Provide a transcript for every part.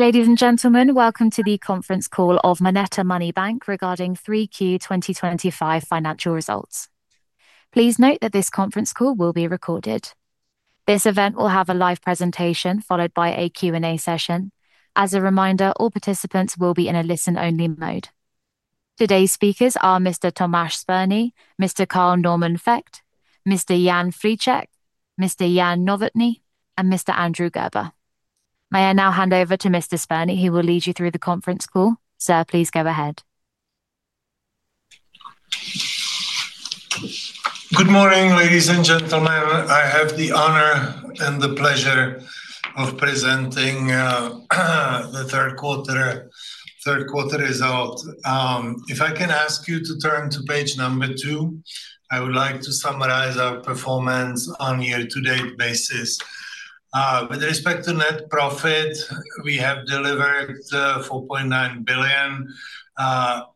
Ladies and gentlemen, welcome to the conference call of MONETA Money Bank regarding 3Q 2025 financial results. Please note that this conference call will be recorded. This event will have a live presentation followed by a Q&A session. As a reminder, all participants will be in a listen-only mode. Today's speakers are Mr. Tomáš Spurný, Mr. Carl Normann Vökt, Mr. Jan Friček, Mr. Jan Novotný, and Mr. Andrew Gerber. May I now hand over to Mr. Spurný, who will lead you through the conference call? Sir, please go ahead. Good morning, ladies and gentlemen. I have the honor and the pleasure of presenting the third quarter results. If I can ask you to turn to page number two, I would like to summarize our performance on a year-to-date basis. With respect to net profit, we have delivered 4.9 billion.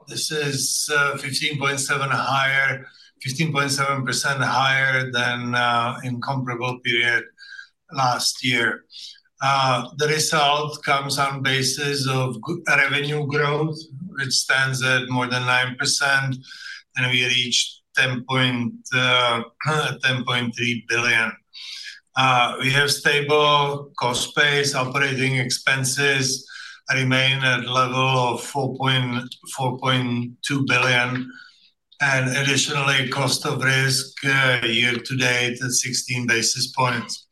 This is 15.7% higher than in the comparable period last year. The result comes on the basis of revenue growth, which stands at more than 9%, and we reached 10.3 billion. We have stable cost base. Operating expenses remain at a level of 4.2 billion, and additionally, cost of risk year-to-date at 16 basis points.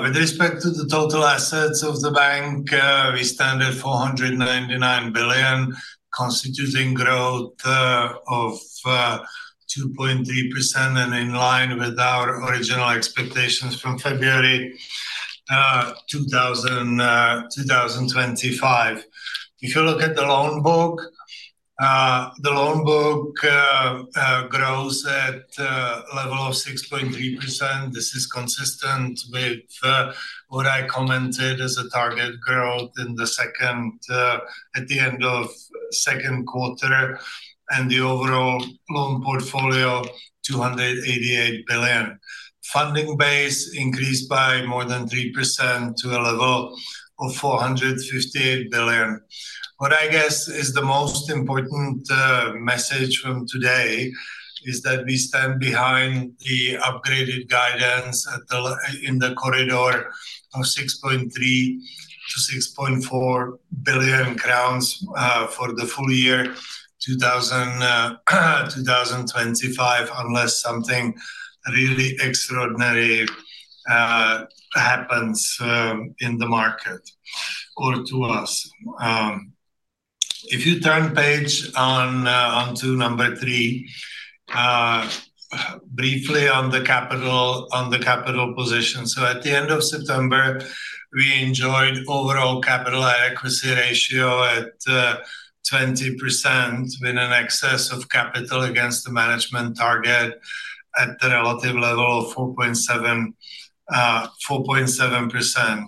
With respect to the total assets of the bank, we stand at 499 billion, constituting growth of 2.3% and in line with our original expectations from February 2025. If you look at the loan book, the loan book grows at a level of 6.3%. This is consistent with what I commented as a target growth at the end of the second quarter, and the overall loan portfolio is 288 billion. Funding base increased by more than 3% to a level of 458 billion. What I guess is the most important message from today is that we stand behind the upgraded guidance in the corridor of 6.3 billion-6.4 billion crowns for the full year 2025 unless something really extraordinary happens in the market or to us. If you turn page on to number three, briefly on the capital position. At the end of September, we enjoyed overall capital adequacy ratio at 20% with an excess of capital against the management target at the relative level of 4.7%.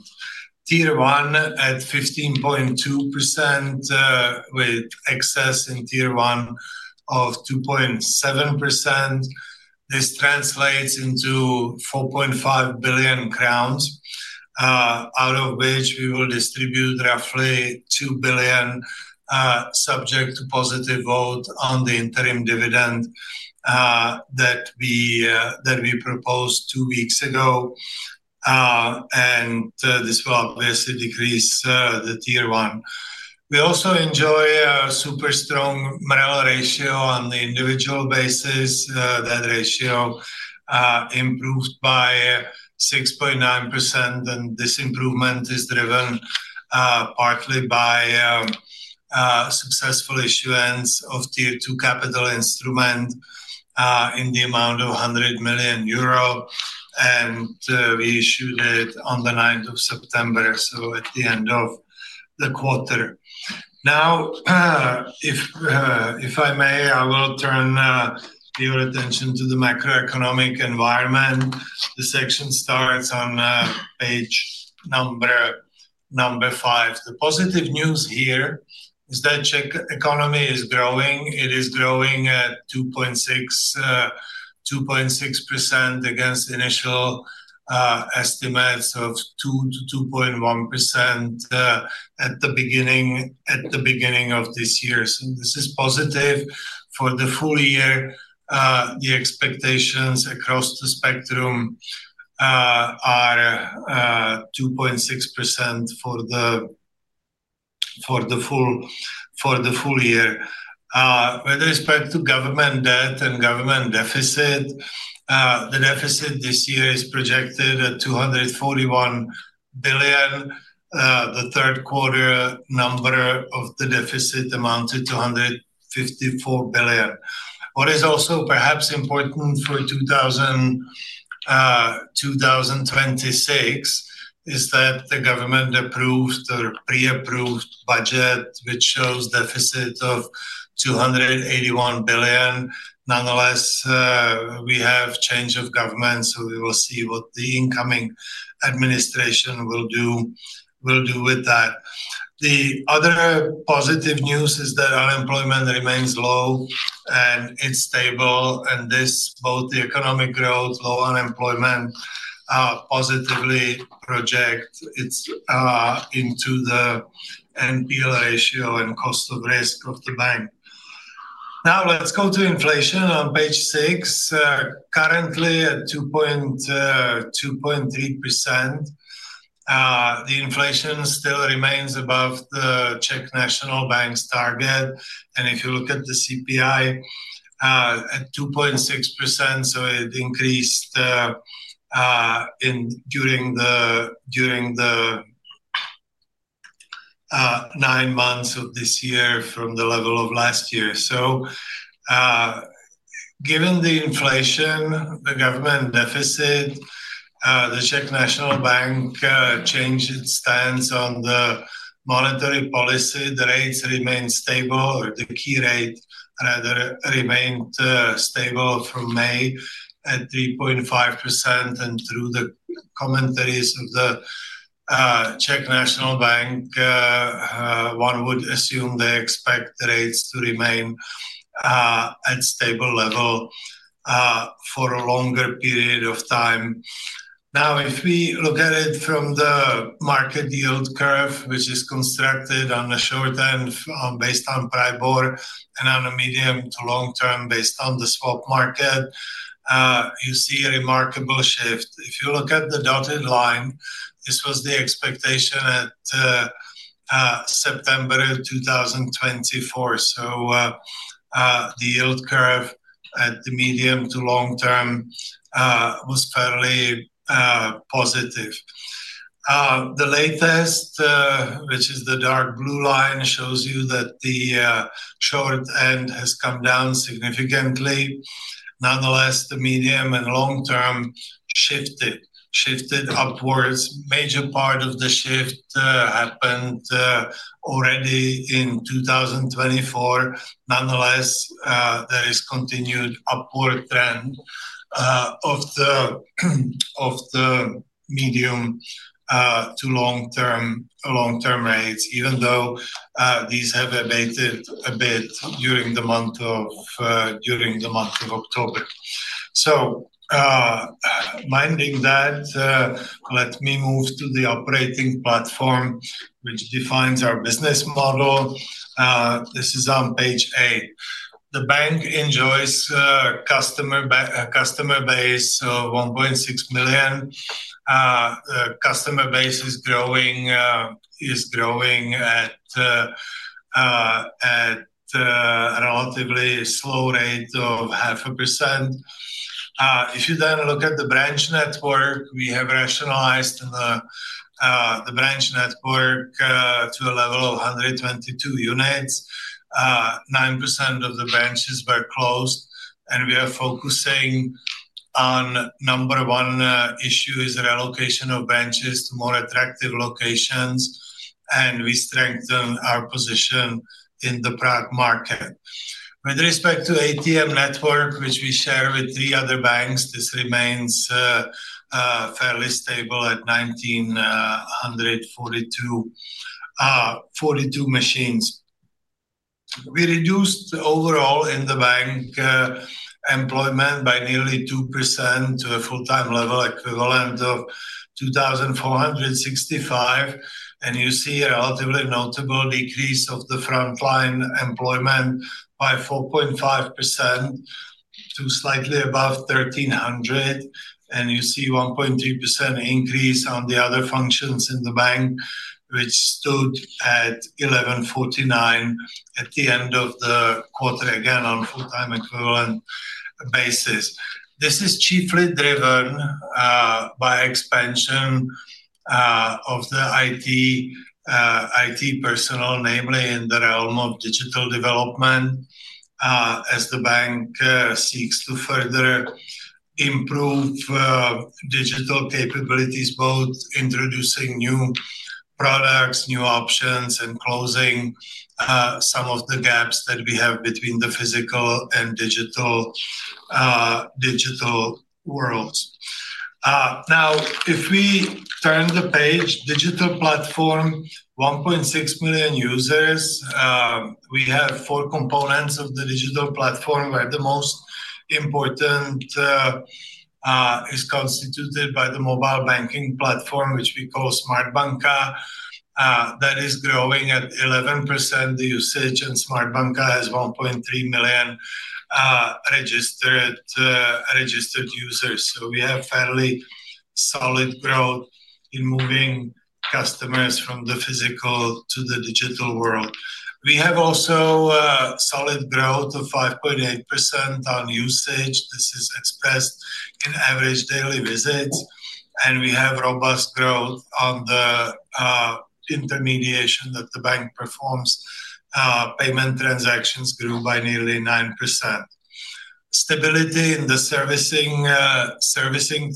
Tier 1 at 15.2% with excess in Tier 1 of 2.7%. This translates into 4.5 billion crowns, out of which we will distribute roughly 2 billion subject to positive vote on the interim dividend that we proposed two weeks ago. This will obviously decrease the Tier 1. We also enjoy a super strong morale ratio on the individual basis. That ratio improved by 6.9%, and this improvement is driven partly by successful issuance of Tier 2 capital instruments in the amount of 100 million euro, and we issued it on the 9th of September, at the end of the quarter. Now, if I may, I will turn your attention to the macroeconomic environment. The section starts on page number five. The positive news here is that the Czech economy is growing. It is growing at 2.6% against initial estimates of 2%-2.1% at the beginning of this year. This is positive for the full year. The expectations across the spectrum are 2.6% for the full year. With respect to government debt and government deficit, the deficit this year is projected at 241 billion. The third quarter number of the deficit amounted to 254 billion. What is also perhaps important for 2026 is that the government approved or pre-approved budget, which shows a deficit of 281 billion. Nonetheless, we have a change of government, so we will see what the incoming administration will do with that. The other positive news is that unemployment remains low and it's stable, and this, both the economic growth and low unemployment, positively project into the NPL ratio and cost of risk of the bank. Now, let's go to inflation on page six. Currently at 2.3%, the inflation still remains above the Czech National Bank's target. If you look at the CPI at 2.6%, it increased during the nine months of this year from the level of last year. Given the inflation, the government deficit, the Czech National Bank changed its stance on the monetary policy. The rates remain stable. The key rate remained stable from May at 3.5%, and through the commentaries of the Czech National Bank, one would assume they expect the rates to remain at a stable level for a longer period of time. If we look at it from the market yield curve, which is constructed on the short end based on PRIBOR and on the medium to long-term based on the swap market, you see a remarkable shift. If you look at the dotted line, this was the expectation at September of 2024. The yield curve at the medium to long-term was fairly positive. The latest, which is the dark blue line, shows you that the short end has come down significantly. Nonetheless, the medium and long-term shifted upwards. A major part of the shift happened already in 2024. There is a continued upward trend of the medium to long-term rates, even though these have abated a bit during the month of October. Minding that, let me move to the operating platform, which defines our business model. This is on page eight. The bank enjoys a customer base of 1.6 million. The customer base is growing at a relatively slow rate of 0.5%. If you then look at the branch network, we have rationalized the branch network to a level of 122 units. 9% of the branches were closed, and we are focusing on the number one issue, which is the relocation of branches to more attractive locations, and we strengthen our position in the Prague market. With respect to the ATM network, which we share with three other banks, this remains fairly stable at 1,942 machines. We reduced overall in the bank employment by nearly 2% to a full-time level equivalent of 2,465. You see a relatively notable decrease of the frontline employment by 4.5% to slightly above 1,300. You see a 1.3% increase on the other functions in the bank, which stood at 1,149 at the end of the quarter, again on a full-time equivalent basis. This is chiefly driven by expansion of the IT personnel, namely in the realm of digital development, as the bank seeks to further improve digital capabilities, both introducing new products, new options, and closing some of the gaps that we have between the physical and digital worlds. Now, if we turn the page, the digital platform has 1.6 million users. We have four components of the digital platform, where the most important is constituted by the mobile banking platform, which we call Smart Banka. That is growing at 11% usage, and Smart Banka has 1.3 million registered users. We have fairly solid growth in moving customers from the physical to the digital world. We have also solid growth of 5.8% on usage. This is expressed in average daily visits. We have robust growth on the intermediation that the bank performs. Payment transactions grew by nearly 9%. There is stability in the servicing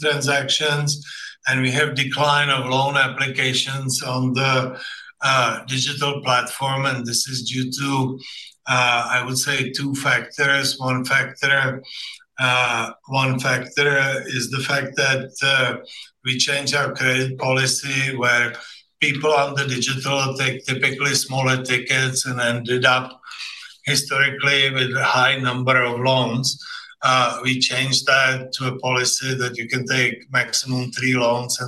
transactions, and we have a decline of loan applications on the digital platform. This is due to, I would say, two factors. One factor is the fact that we changed our credit policy, where people on the digital take typically smaller tickets and ended up historically with a high number of loans. We changed that to a policy that you can take maximum three loans.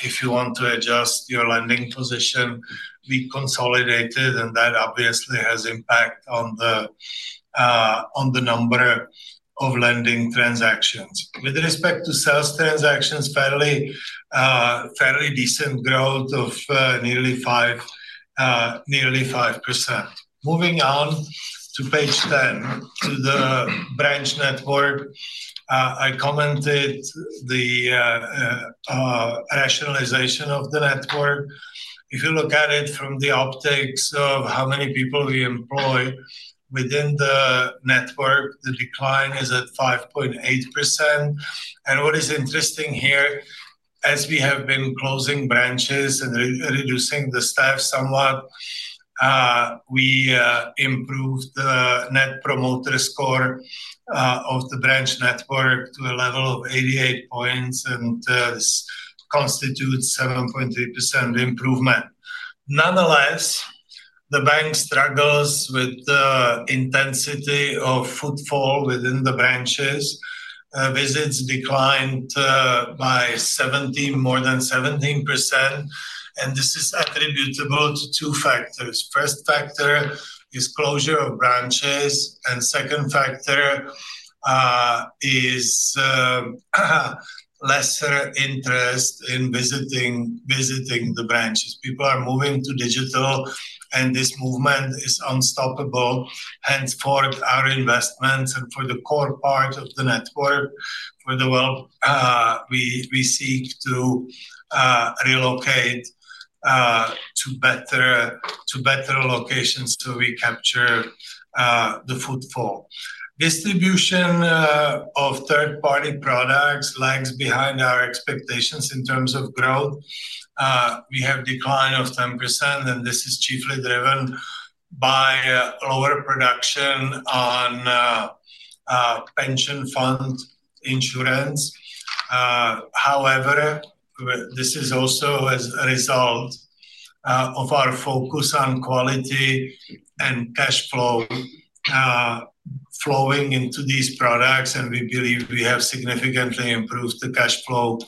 If you want to adjust your lending position, we consolidated, and that obviously has an impact on the number of lending transactions. With respect to sales transactions, there is fairly decent growth of nearly 5%. Moving on to page 10, to the branch network, I commented the rationalization of the network. If you look at it from the optics of how many people we employ within the network, the decline is at 5.8%. What is interesting here, as we have been closing branches and reducing the staff somewhat, we improved the Net Promoter Score of the branch network to a level of 88 points, and this constitutes a 7.3% improvement. Nonetheless, the bank struggles with the intensity of footfall within the branches. Visits declined by more than 17%, and this is attributable to two factors. The first factor is the closure of branches, and the second factor is lesser interest in visiting the branches. People are moving to digital, and this movement is unstoppable. Henceforth, our investments and for the core part of the network, we seek to relocate to better locations so we capture the footfall. Distribution of third-party products lags behind our expectations in terms of growth. We have a decline of 10%, and this is chiefly driven by lower production on pension insurance. However, this is also a result of our focus on quality and cash flow flowing into these products, and we believe we have significantly improved the cash flow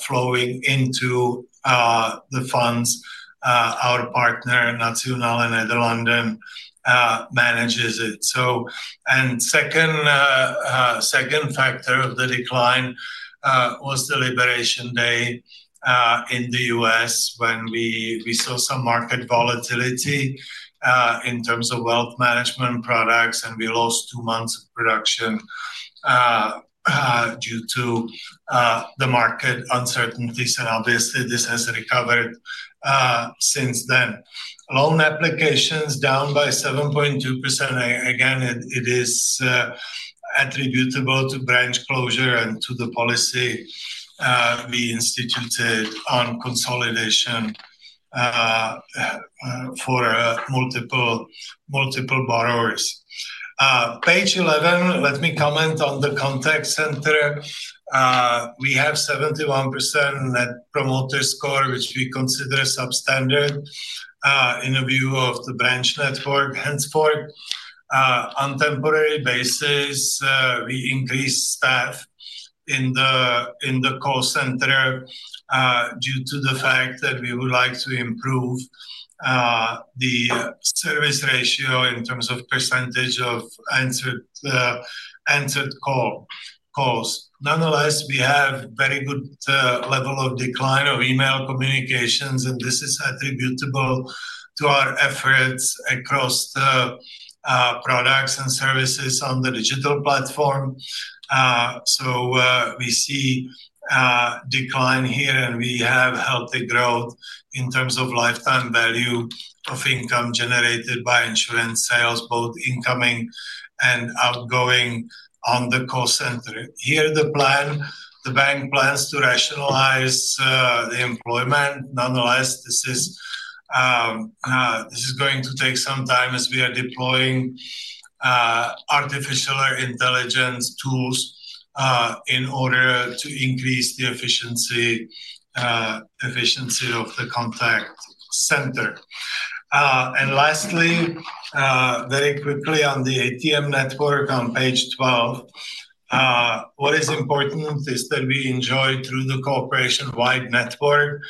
flowing into the funds. Our partner, Nationale-Nederlanden, manages it. The second factor of the decline was the Liberation Day in the U.S. when we saw some market volatility in terms of wealth management products, and we lost two months of production due to the market uncertainties. Obviously, this has recovered since then. Loan applications are down by 7.2%. Again, it is attributable to branch closure and to the policy we instituted on consolidation for multiple borrowers. Page 11, let me comment on the contact center. We have a 71% Net Promoter Score, which we consider substandard in a view of the branch network. Henceforth, on a temporary basis, we increased staff in the call center due to the fact that we would like to improve the service ratio in terms of percentage of answered calls. Nonetheless, we have a very good level of decline of email communications, and this is attributable to our efforts across the products and services on the digital platform. We see a decline here, and we have healthy growth in terms of lifetime value of income generated by insurance sales, both incoming and outgoing on the call center. The bank plans to rationalize the employment. Nonetheless, this is going to take some time as we are deploying artificial intelligence tools in order to increase the efficiency of the contact center. Lastly, very quickly on the ATM network on page 12, what is important is that we enjoy through the corporation-wide network.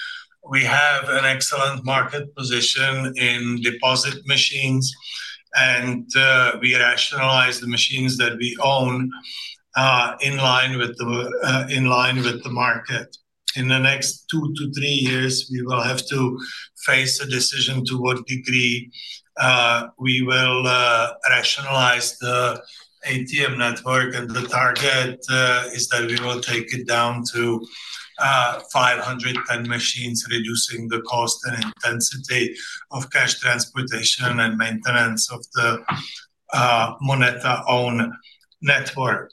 We have an excellent market position in deposit machines, and we rationalize the machines that we own in line with the market. In the next two to three years, we will have to face a decision to what degree we will rationalize the ATM network, and the target is that we will take it down to 510 machines, reducing the cost and intensity of cash transportation and maintenance of the MONETA own network.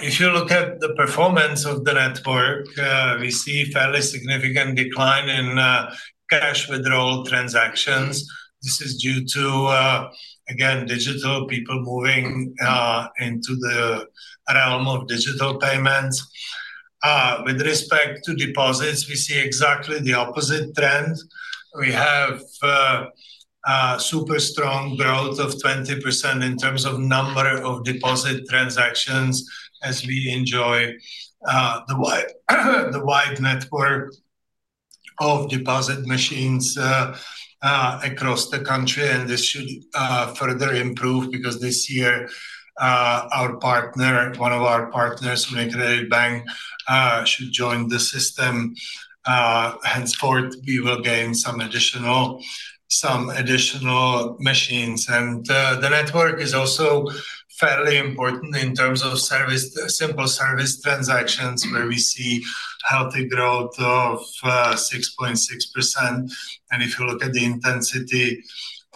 If you look at the performance of the network, we see a fairly significant decline in cash withdrawal transactions. This is due to, again, digital people moving into the realm of digital payments. With respect to deposits, we see exactly the opposite trend. We have a super strong growth of 20% in terms of the number of deposit transactions as we enjoy the wide network of deposit machines across the country. This should further improve because this year one of our partners, [Nederlanden] Bank, should join the system. Henceforth, we will gain some additional machines. The network is also fairly important in terms of simple service transactions, where we see healthy growth of 6.6%. If you look at the intensity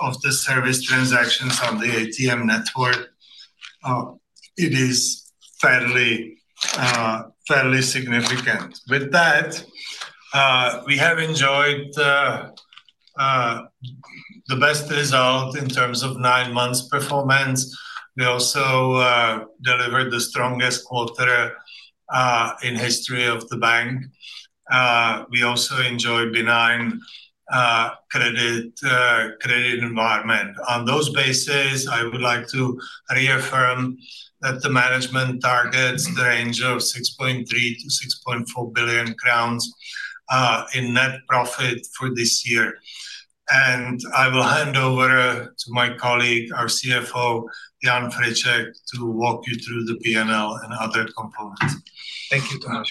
of the service transactions on the ATM network, it is fairly significant. With that, we have enjoyed the best result in terms of nine months' performance. We also delivered the strongest quarter in the history of the bank. We also enjoy a benign credit environment. On those bases, I would like to reaffirm that the management targets the range of 6.3 billion-6.4 billion crowns in net profit for this year. I will hand over to my colleague, our CFO, Jan Friček, to walk you through the P&L and other components. Thank you, Tomáš.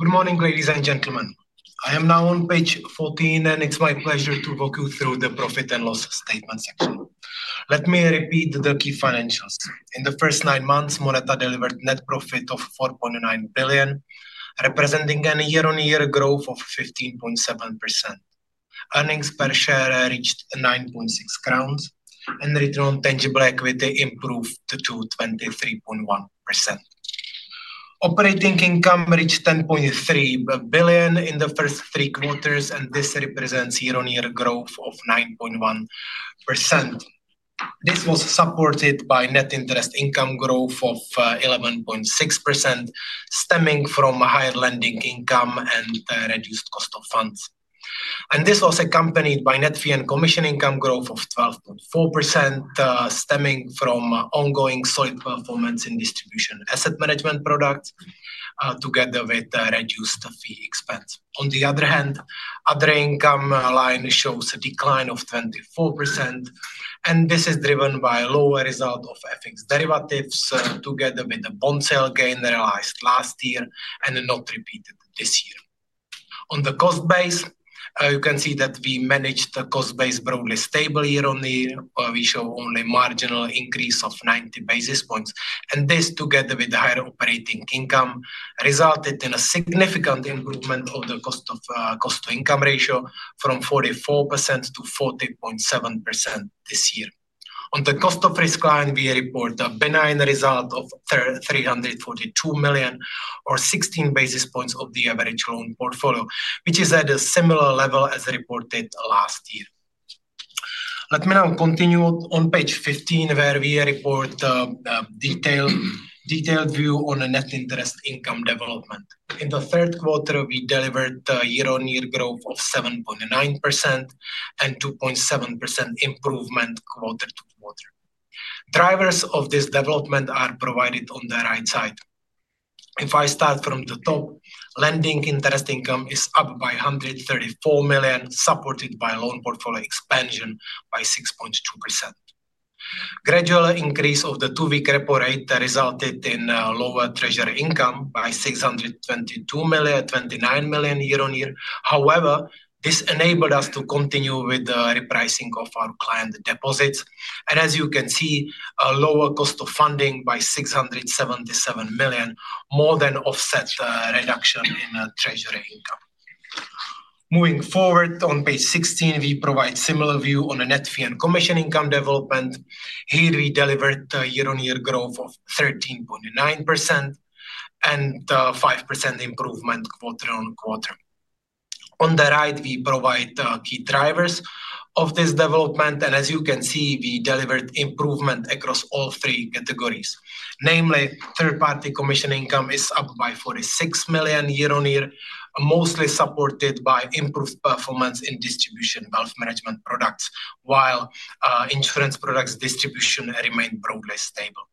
Good morning, ladies and gentlemen. I am now on page 14, and it's my pleasure to walk you through the profit and loss statement section. Let me repeat the key financials. In the first nine months, MONETA delivered a net profit of 4.9 billion, representing a year-on-year growth of 15.7%. Earnings per share reached 9.6 crowns, and the return on tangible equity improved to 23.1%. Operating income reached 10.3 billion in the first three quarters, and this represents year-on-year growth of 9.1%. This was supported by net interest income growth of 11.6%, stemming from a higher lending income and reduced cost of funds. This was accompanied by net fee and commission income growth of 12.4%, stemming from ongoing solid performance in distribution of asset management products, together with reduced fee expense. On the other hand, the other income line shows a decline of 24%, and this is driven by a lower result of FX derivatives, together with the bond sale gain realized last year and not repeated this year. On the cost base, you can see that we managed the cost base broadly stable year-on-year. We show only a marginal increase of 90 basis points, and this, together with the higher operating income, resulted in a significant improvement of the cost-to-income ratio from 44% to 40.7% this year. On the cost of risk line, we report a benign result of 342 million, or 16 basis points of the average loan portfolio, which is at a similar level as reported last year. Let me now continue on page 15, where we report a detailed view on the net interest income development. In the third quarter, we delivered a year-on-year growth of 7.9% and 2.7% improvement quarter to quarter. Drivers of this development are provided on the right side. If I start from the top, lending interest income is up by 134 million, supported by loan portfolio expansion by 6.2%. Gradual increase of the two-week repo rate resulted in lower treasury income by 622 million, 29 million year-on-year. However, this enabled us to continue with the repricing of our client deposits. As you can see, a lower cost of funding by 677 million more than offsets the reduction in treasury income. Moving forward on page 16, we provide a similar view on the net fee and commission income development. Here, we delivered a year-on-year growth of 13.9% and a 5% improvement quarter on quarter. On the right, we provide key drivers of this development. As you can see, we delivered improvement across all three categories. Namely, third-party commission income is up by 46 million year-on-year, mostly supported by improved performance in distribution of wealth management products, while insurance products distribution remained broadly stable.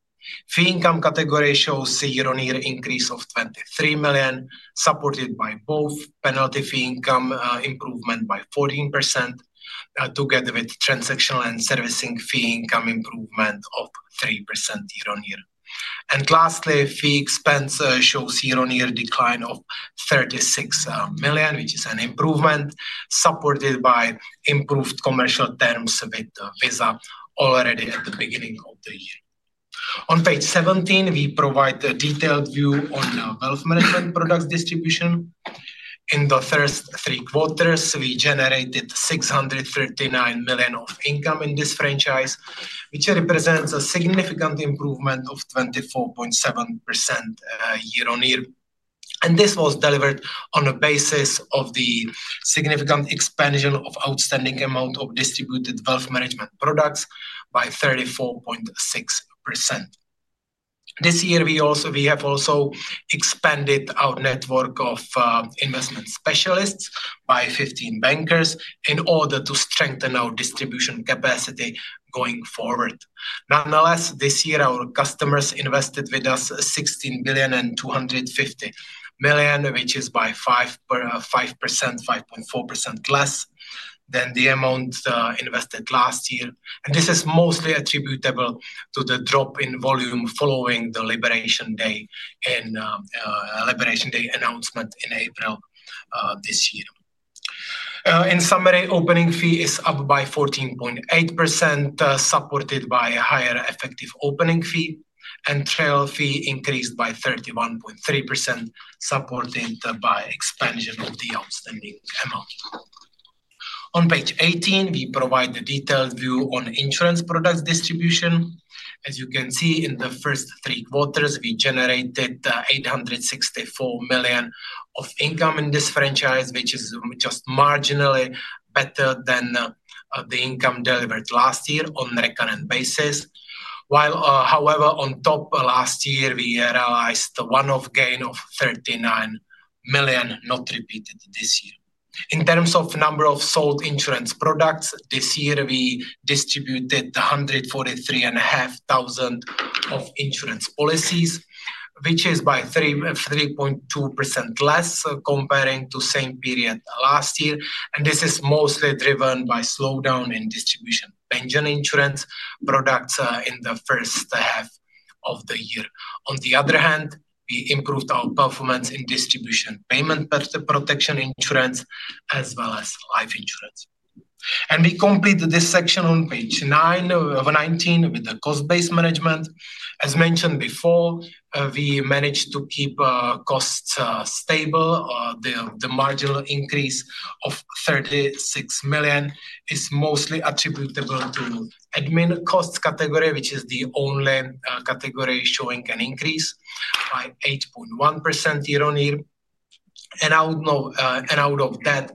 The fee income category shows a year-on-year increase of 23 million, supported by both penalty fee income improvement by 14%, together with transactional and servicing fee income improvement of 3% year-on-year. Lastly, fee expense shows a year-on-year decline of 36 million, which is an improvement supported by improved commercial terms with Visa already at the beginning of the year. On page 17, we provide a detailed view on wealth management products distribution. In the first three quarters, we generated 639 million of income in this franchise, which represents a significant improvement of 24.7% year-on-year. This was delivered on the basis of the significant expansion of the outstanding amount of distributed wealth management products by 34.6%. This year, we have also expanded our network of investment specialists by 15 bankers in order to strengthen our distribution capacity going forward. Nonetheless, this year, our customers invested with us 16.25 billion, which is by 5.4% less than the amount invested last year. This is mostly attributable to the drop in volume following the Liberation Day announcement in April this year. In summary, the opening fee is up by 14.8%, supported by a higher effective opening fee, and the trail fee increased by 31.3%, supported by the expansion of the outstanding amount. On page 18, we provide a detailed view on insurance products distribution. In the first three quarters, we generated 864 million of income in this franchise, which is just marginally better than the income delivered last year on a recurrent basis. However, on top of last year, we realized a one-off gain of 39 million, not repeated this year. In terms of the number of sold insurance products, this year, we distributed 143,500 insurance policies, which is by 3.2% less compared to the same period last year. This is mostly driven by a slowdown in distribution of pension insurance products in the first half of the year. On the other hand, we improved our performance in distribution of payment protection insurance, as well as life insurance. We completed this section on page 19 with the cost base management. As mentioned before, we managed to keep costs stable. The marginal increase of 36 million is mostly attributable to the admin costs category, which is the only category showing an increase by 8.1% year-on-year. Out of that,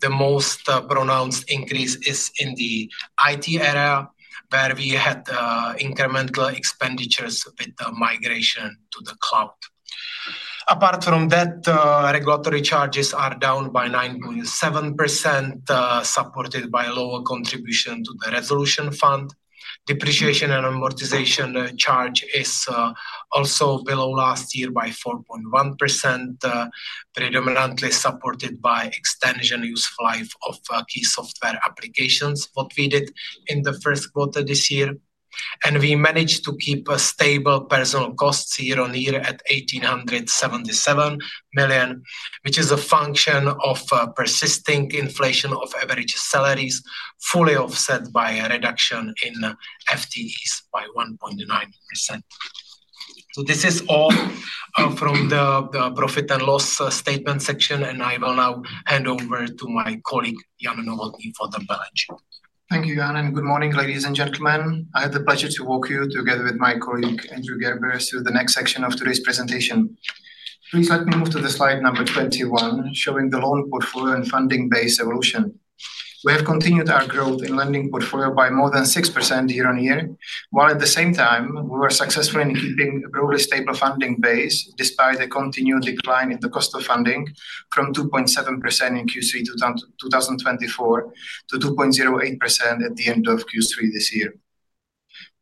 the most pronounced increase is in the IT area, where we had incremental expenditures with the migration to the cloud. Apart from that, regulatory charges are down by 9.7%, supported by a lower contribution to the resolution fund. The depreciation and amortization charge is also below last year by 4.1%, predominantly supported by the extension of use of life of key software applications, which we did in the first quarter this year. We managed to keep stable personnel costs year-on-year at 1,877 million, which is a function of persisting inflation of average salaries, fully offset by a reduction in FTEs by 1.9%. This is all from the profit and loss statement section, and I will now hand over to my colleague, Jan Novotný, for the balance sheet. Thank you, Jan. Good morning, ladies and gentlemen. I have the pleasure to walk you, together with my colleague Andrew Gerber, through the next section of today's presentation. Please let me move to slide number 21, showing the loan portfolio and funding base evolution. We have continued our growth in the lending portfolio by more than 6% year-on-year, while at the same time, we were successful in keeping a broadly stable funding base, despite a continued decline in the cost of funding from 2.7% in Q3 2024 to 2.08% at the end of Q3 this year.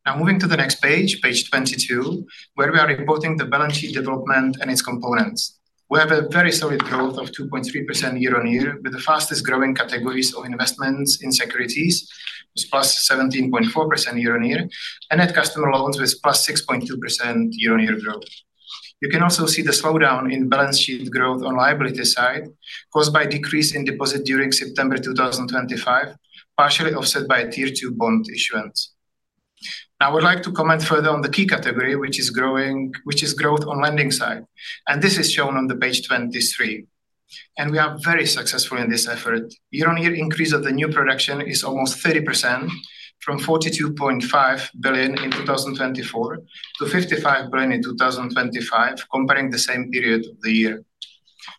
Now, moving to the next page, page 22, where we are reporting the balance sheet development and its components. We have a very solid growth of 2.3% year-on-year, with the fastest growing categories of investments in securities with +17.4% year-on-year and net customer loans with +6.2% year-on-year growth. You can also see the slowdown in balance sheet growth on the liability side, caused by a decrease in deposits during September 2025, partially offset by Tier 2 bond issuance. I would like to comment further on the key category, which is growth on the lending side. This is shown on page 23. We are very successful in this effort. The year-on-year increase of the new production is almost 30%, from 42.5 billion in 2024 to 55 billion in 2025, comparing the same period of the year.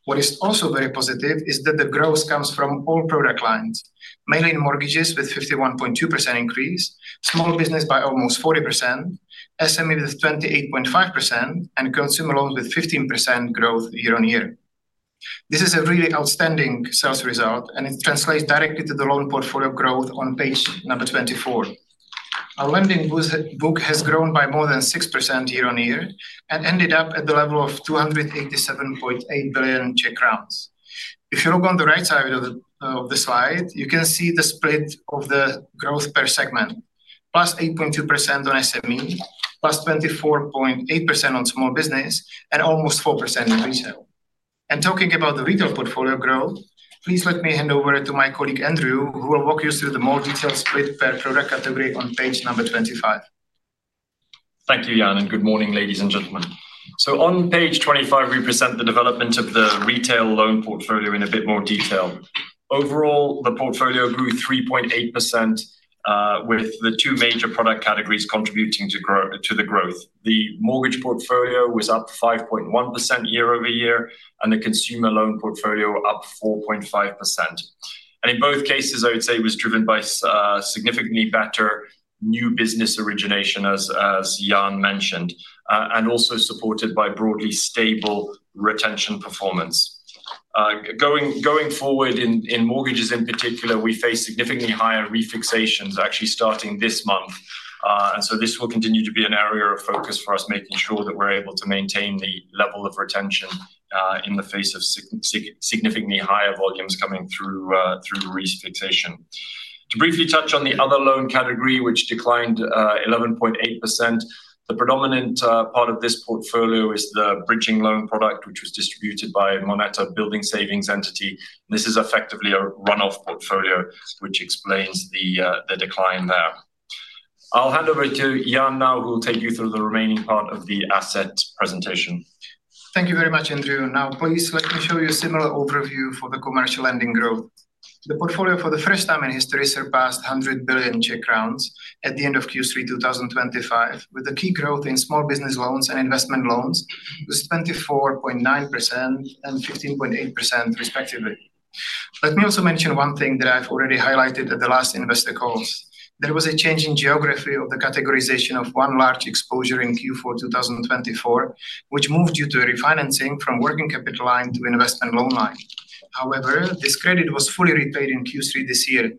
What is also very positive is that the growth comes from all product lines, mainly in mortgages with a 51.2% increase, small business by almost 40%, SME with 28.5%, and consumer loans with 15% growth year-on-year. This is a really outstanding sales result, and it translates directly to the loan portfolio growth on page number 24. Our lending book has grown by more than 6% year-on-year and ended up at the level of 287.8 billion Czech crowns. If you look on the right side of the slide, you can see the split of the growth per segment: +8.2% on SME, +24.8% on small business, and almost 4% in retail. Talking about the retail portfolio growth, please let me hand over to my colleague Andrew, who will walk you through the more detailed split per product category on page number 25. Thank you, Jan, and good morning, ladies and gentlemen. On page 25, we present the development of the retail loan portfolio in a bit more detail. Overall, the portfolio grew 3.8% with the two major product categories contributing to the growth. The mortgage portfolio was up 5.1% year-over-year, and the consumer loan portfolio up 4.5%. In both cases, I would say it was driven by significantly better new business origination, as Jan mentioned, and also supported by broadly stable retention performance. Going forward, in mortgages in particular, we face significantly higher refixations, actually starting this month. This will continue to be an area of focus for us, making sure that we're able to maintain the level of retention in the face of significantly higher volumes coming through refixation. To briefly touch on the other loan category, which declined 11.8%, the predominant part of this portfolio is the bridging loan product, which was distributed by MONETA Building Savings Entity. This is effectively a run-off portfolio, which explains the decline there. I'll hand over to Jan now, who will take you through the remaining part of the asset presentation. Thank you very much, Andrew. Now, please let me show you a similar overview for the commercial lending growth. The portfolio, for the first time in history, surpassed 100 billion Czech crowns at the end of Q3 2025, with the key growth in small business loans and investment loans with 24.9% and 15.8%, respectively. Let me also mention one thing that I've already highlighted at the last investor calls. There was a change in geography of the categorization of one large exposure in Q4 2024, which moved due to refinancing from the working capital line to the investment loan line. However, this credit was fully repaid in Q3 this year.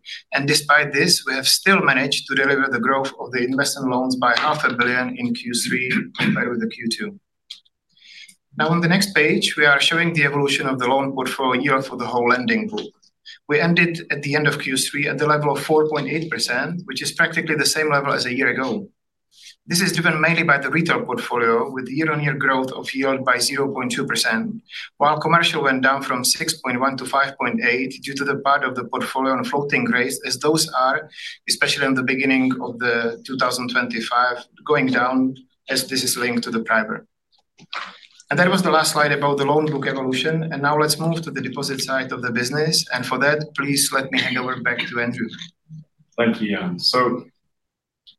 Despite this, we have still managed to deliver the growth of the investment loans by 500 million in Q3 compared with Q2. Now, on the next page, we are showing the evolution of the loan portfolio yield for the whole lending book. We ended at the end of Q3 at the level of 4.8%, which is practically the same level as a year ago. This is driven mainly by the retail portfolio, with the year-on-year growth of yield by 0.2%, while commercial went down from 6.1% to 5.8% due to the part of the portfolio on floating rates, as those are, especially in the beginning of 2025, going down, as this is linked to the primer. That was the last slide about the loan book evolution. Now, let's move to the deposit side of the business. For that, please let me hand over back to Andrew. Thank you, Jan.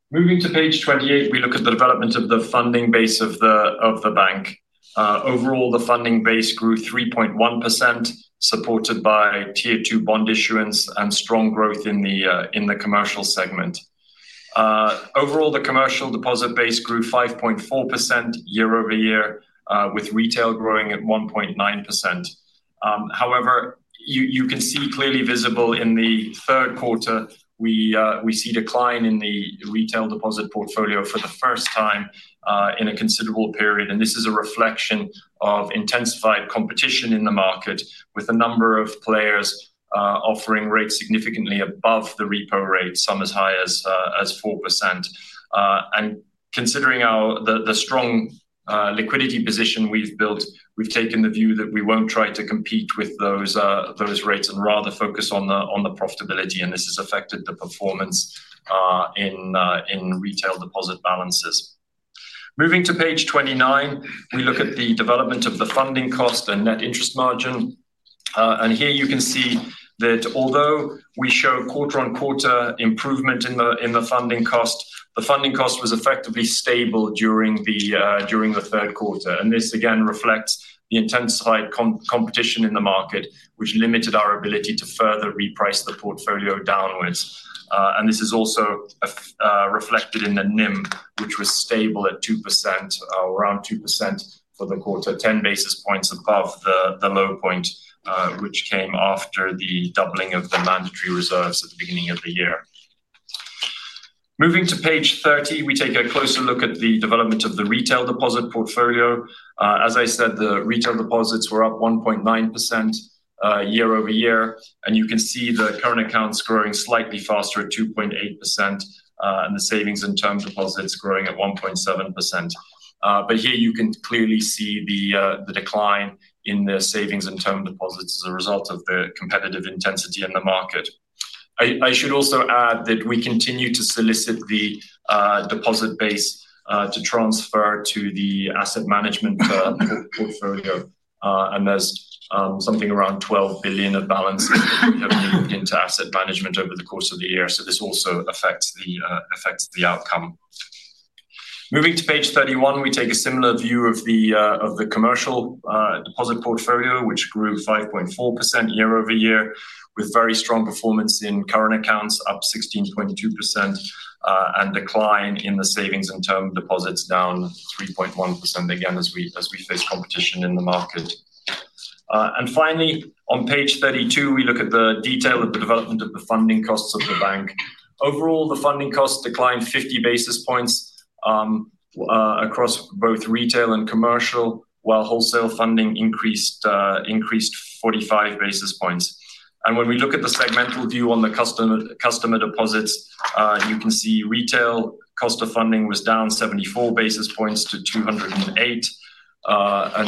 Moving to page 28, we look at the development of the funding base of the bank. Overall, the funding base grew 3.1%, supported by Tier 2 bond issuance and strong growth in the commercial segment. Overall, the commercial deposit base grew 5.4% year-over-year, with retail growing at 1.9%. However, you can see clearly visible in the third quarter, we see a decline in the retail deposit portfolio for the first time in a considerable period. This is a reflection of intensified competition in the market, with a number of players offering rates significantly above the repo rate, some as high as 4%. Considering the strong liquidity position we've built, we've taken the view that we won't try to compete with those rates and rather focus on the profitability. This has affected the performance in retail deposit balances. Moving to page 29, we look at the development of the funding cost and net interest margin. Here, you can see that although we show quarter-on-quarter improvement in the funding cost, the funding cost was effectively stable during the third quarter. This again reflects the intensified competition in the market, which limited our ability to further reprice the portfolio downwards. This is also reflected in the NIM, which was stable at 2%, around 2% for the quarter, 10 basis points above the low point, which came after the doubling of the mandatory reserves at the beginning of the year. Moving to page 30, we take a closer look at the development of the retail deposit portfolio. As I said, the retail deposits were up 1.9% year-over-year. You can see the current accounts growing slightly faster at 2.8% and the savings and term deposits growing at 1.7%. Here, you can clearly see the decline in the savings and term deposits as a result of the competitive intensity in the market. I should also add that we continue to solicit the deposit base to transfer to the asset management portfolio. There's something around 12 billion of balances that we have moved into asset management over the course of the year. This also affects the outcome. Moving to page 31, we take a similar view of the commercial deposit portfolio, which grew 5.4% year-over-year, with very strong performance in current accounts up 16.2% and a decline in the savings and term deposits down 3.1% again as we face competition in the market. Finally, on page 32, we look at the detail of the development of the funding costs of the bank. Overall, the funding costs declined 50 basis points across both retail and commercial, while wholesale funding increased 45 basis points. When we look at the segmental view on the customer deposits, you can see retail cost of funding was down 74 basis points to 2.08%.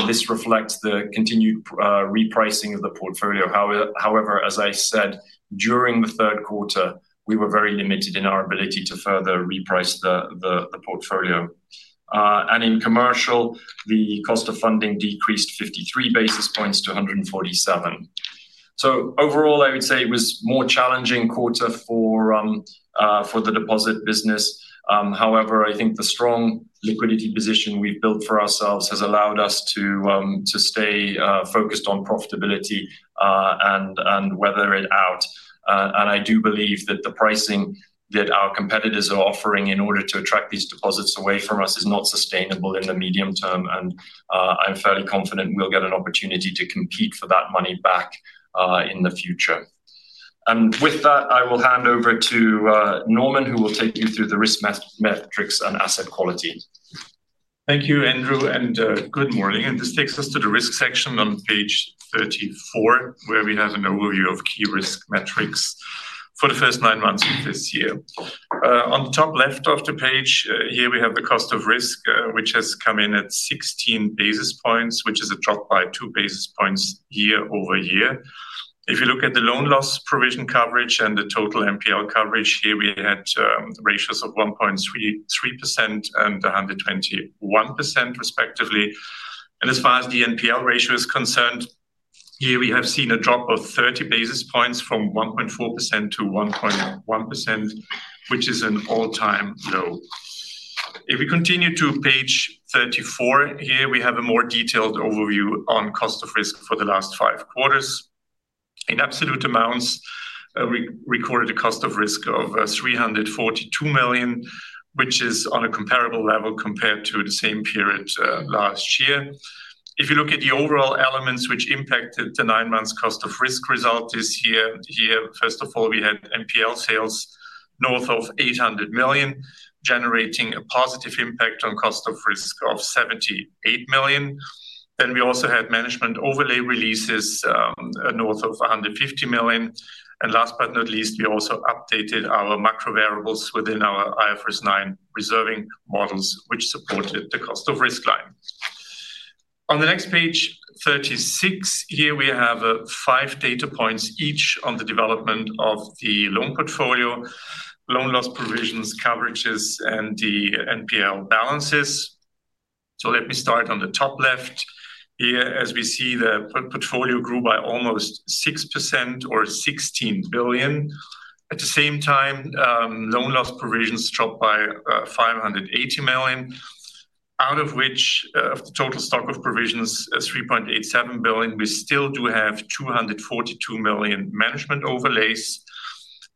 This reflects the continued repricing of the portfolio. However, during the third quarter, we were very limited in our ability to further reprice the portfolio. In commercial, the cost of funding decreased 53 basis points to 1.47%. Overall, I would say it was a more challenging quarter for the deposit business. However, I think the strong liquidity position we've built for ourselves has allowed us to stay focused on profitability and weather it out. I do believe that the pricing that our competitors are offering in order to attract these deposits away from us is not sustainable in the medium term. I'm fairly confident we'll get an opportunity to compete for that money back in the future. With that, I will hand over to Normann, who will take you through the risk metrics and asset quality. Thank you, Andrew, and good morning. This takes us to the risk section on page 34, where we have an overview of key risk metrics for the first nine months of this year. On the top left of the page, here we have the cost of risk, which has come in at 16 basis points, which is a drop by 2 basis points year-over-year. If you look at the loan loss provision coverage and the total NPL coverage, here we had ratios of 1.33% and 121%, respectively. As far as the NPL ratio is concerned, here we have seen a drop of 30 basis points from 1.4% to 1.1%, which is an all-time low. If we continue to page 34, here we have a more detailed overview on cost of risk for the last five quarters. In absolute amounts, we recorded a cost of risk of 342 million, which is on a comparable level compared to the same period last year. If you look at the overall elements which impacted the nine months' cost of risk result this year, here, first of all, we had NPL sales north of 800 million, generating a positive impact on cost of risk of 78 million. We also had management overlay releases north of 150 million. Last but not least, we also updated our macro variables within our IFRS 9 reserving models, which supported the cost of risk line. On the next page, 36, here we have five data points each on the development of the loan portfolio, loan loss provisions, coverages, and the NPL balances. Let me start on the top left. Here, as we see, the portfolio grew by almost 6%, or 16 billion. At the same time, loan loss provisions dropped by 580 million. Out of the total stock of provisions, 3.87 billion, we still do have 242 million management overlays.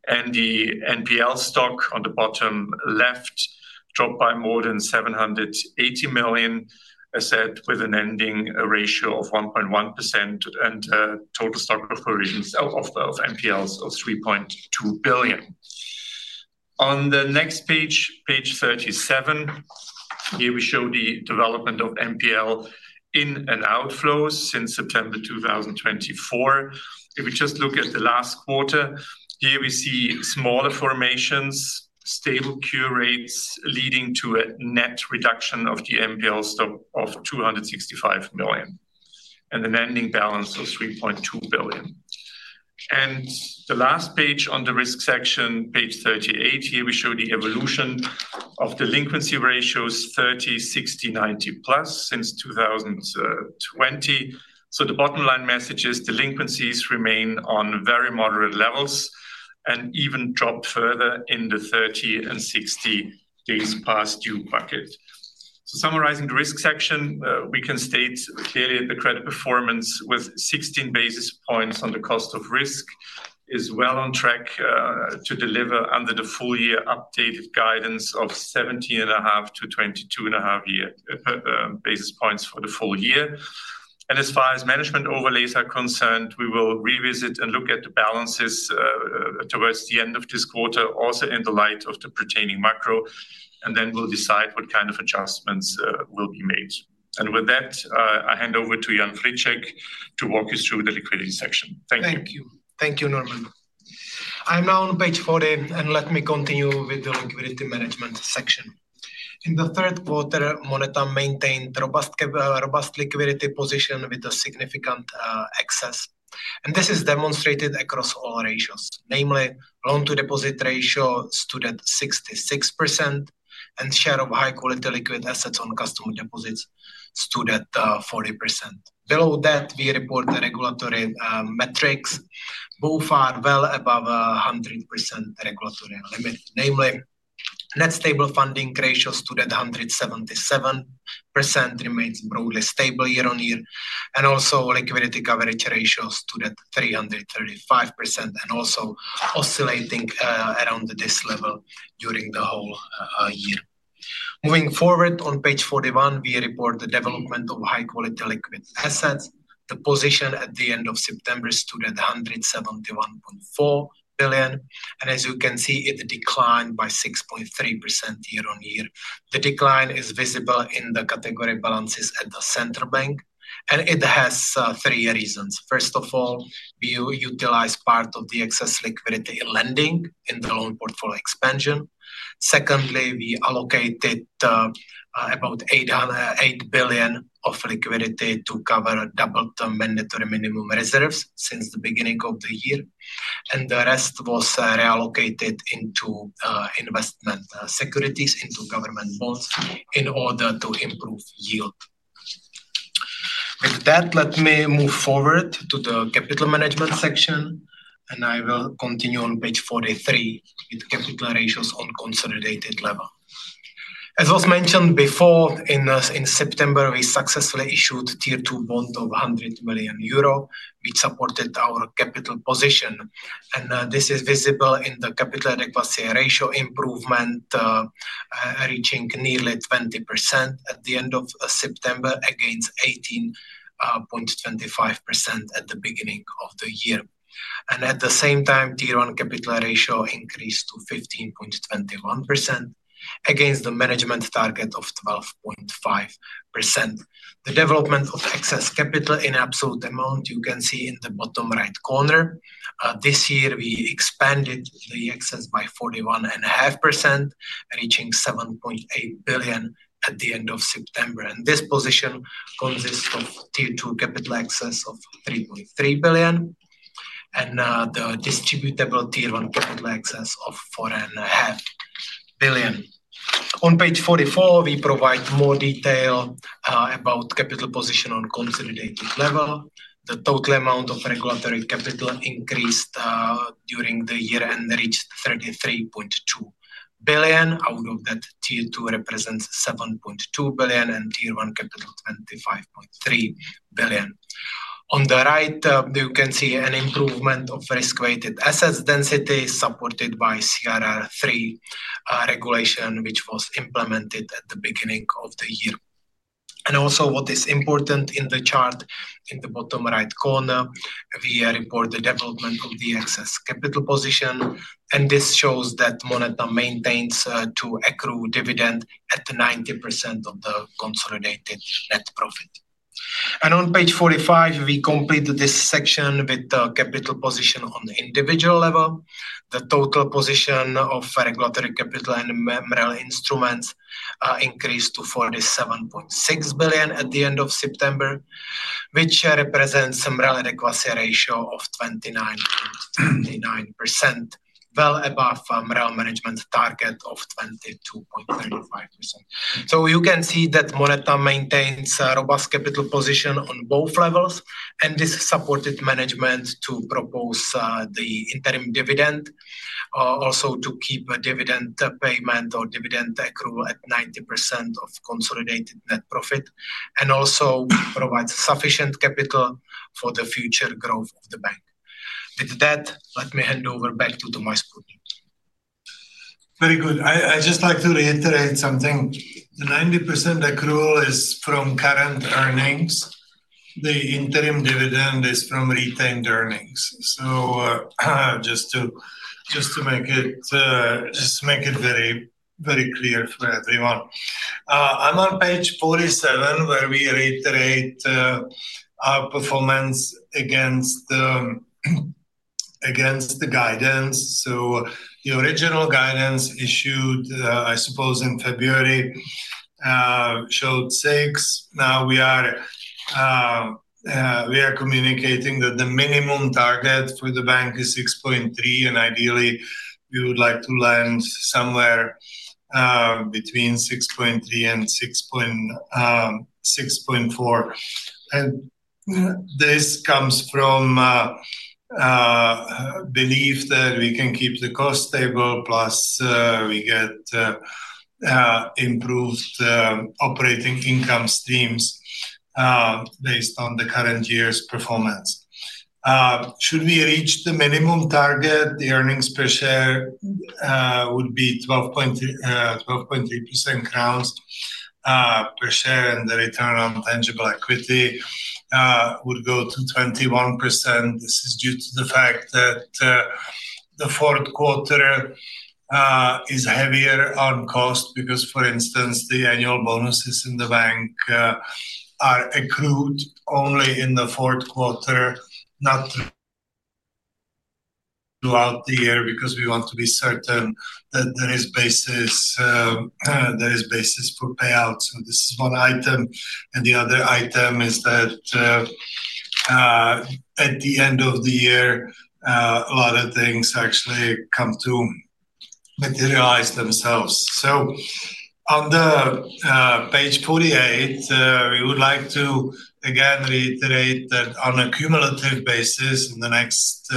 The NPL stock on the bottom left dropped by more than 780 million, as I said, with an ending ratio of 1.1% and a total stock of provisions of NPLs of 3.2 billion. On the next page, page 37, here we show the development of NPL in and outflows since September 2024. If we just look at the last quarter, here we see smaller formations, stable Q rates, leading to a net reduction of the NPL stock of 265 million, and an ending balance of 3.2 billion. The last page on the risk section, page 38, here we show the evolution of delinquency ratios 30, 60, 90+ since 2020. The bottom line message is delinquencies remain on very moderate levels and even dropped further in the 30 and 60 days past due bucket. Summarizing the risk section, we can state clearly that the credit performance with 16 basis points on the cost of risk is well on track to deliver under the full year updated guidance of 17.5-22.5 basis points for the full year. As far as management overlays are concerned, we will revisit and look at the balances towards the end of this quarter, also in the light of the pertaining macro. We will decide what kind of adjustments will be made. With that, I hand over to Jan Friček to walk you through the liquidity section. Thank you. Thank you. Thank you, Norman. I'm now on page 40, and let me continue with the liquidity management section. In the third quarter, MONETA maintained a robust liquidity position with a significant excess. This is demonstrated across all ratios, namely loan-to-deposit ratio stood at 66% and share of high-quality liquid assets on customer deposits stood at 40%. Below that, we report the regulatory metrics. Both are well above 100% regulatory limit, namely net stable funding ratio stood at 177%, remains broadly stable year-on-year, and also liquidity coverage ratio stood at 335% and also oscillating around this level during the whole year. Moving forward on page 41, we report the development of high-quality liquid assets. The position at the end of September stood at 171.4 billion. As you can see, it declined by 6.3% year-on-year. The decline is visible in the category balances at the central bank, and it has three reasons. First of all, we utilized part of the excess liquidity in lending in the loan portfolio expansion. Secondly, we allocated about 8 billion of liquidity to cover double the mandatory minimum reserves since the beginning of the year. The rest was reallocated into investment securities, into government bonds, in order to improve yield. With that, let me move forward to the capital management section. I will continue on page 43 with capital ratios on a consolidated level. As was mentioned before, in September, we successfully issued a Tier 2 bond of 100 million euro, which supported our capital position. This is visible in the capital adequacy ratio improvement, reaching nearly 20% at the end of September, against 18.25% at the beginning of the year. At the same time, Tier 1 capital ratio increased to 15.21% against the management target of 12.5%. The development of excess capital in absolute amount, you can see in the bottom right corner. This year, we expanded the excess by 41.5%, reaching 7.8 billion at the end of September. This position consists of Tier 2 capital excess of 3.3 billion and the distributable Tier 1 capital excess of 4.5 billion. On page 44, we provide more detail about the capital position on a consolidated level. The total amount of regulatory capital increased during the year and reached 33.2 billion. Out of that, Tier 2 represents 7.2 billion and Tier 1 capital 25.3 billion. On the right, you can see an improvement of risk-weighted assets density supported by CRR3 regulation, which was implemented at the beginning of the year. What is important in the chart in the bottom right corner, we report the development of the excess capital position. This shows that MONETA maintains to accrue dividends at 90% of the consolidated net profit. On page 45, we complete this section with the capital position on the individual level. The total position of regulatory capital and MREL instruments increased to 47.6 billion at the end of September, which represents an MREL and equity ratio of 29.29%, well above management's target of 22.35%. You can see that MONETA maintains a robust capital position on both levels. This supported management to propose the interim dividend, also to keep a dividend payment or dividend accrual at 90% of consolidated net profit, and also provides sufficient capital for the future growth of the bank. With that, let me hand over back to Tomáš. Very good. I'd just like to reiterate something. The 90% accrual is from current earnings. The interim dividend is from retained earnings. Just to make it very, very clear for everyone, I'm on page 47, where we reiterate our performance against the guidance. The original guidance issued, I suppose, in February showed 6 billion. Now, we are communicating that the minimum target for the bank is 6.3 billion. Ideally, we would like to land somewhere between 6.3 billion and 6.4 billion. This comes from the belief that we can keep the cost stable, plus we get improved operating income streams based on the current year's performance. Should we reach the minimum target, the earnings per share would be [12.3 crowns] per share, and the return on tangible equity would go to 21%. This is due to the fact that the fourth quarter is heavier on cost because, for instance, the annual bonuses in the bank are accrued only in the fourth quarter, not throughout the year, because we want to be certain that there is basis for payout. This is one item. The other item is that at the end of the year, a lot of things actually come to materialize themselves. On page 48, we would like to again reiterate that on a cumulative basis, in the next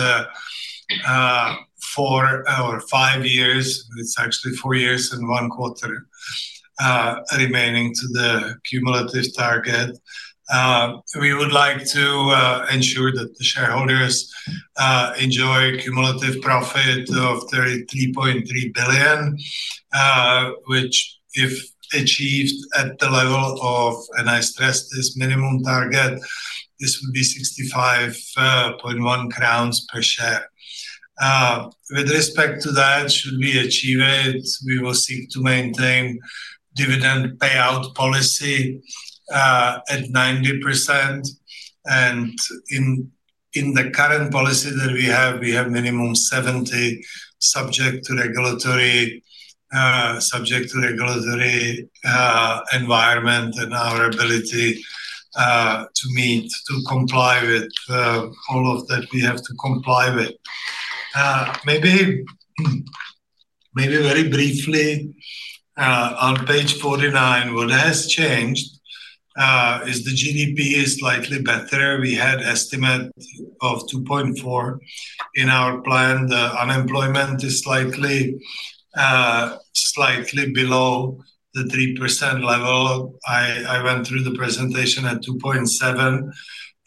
four or five years, it's actually four years and one quarter remaining to the cumulative target, we would like to ensure that the shareholders enjoy a cumulative profit of 33.3 billion, which, if achieved at the level of, and I stress this, minimum target, this would be 65.1 crowns per share. With respect to that, should we achieve it, we will seek to maintain a dividend payout policy at 90%. In the current policy that we have, we have minimum 70%, subject to regulatory environment and our ability to meet, to comply with all of that we have to comply with. Maybe very briefly, on page 49, what has changed is the GDP is slightly better. We had an estimate of 2.4% in our plan. The unemployment is slightly below the 3% level. I went through the presentation at 2.7%.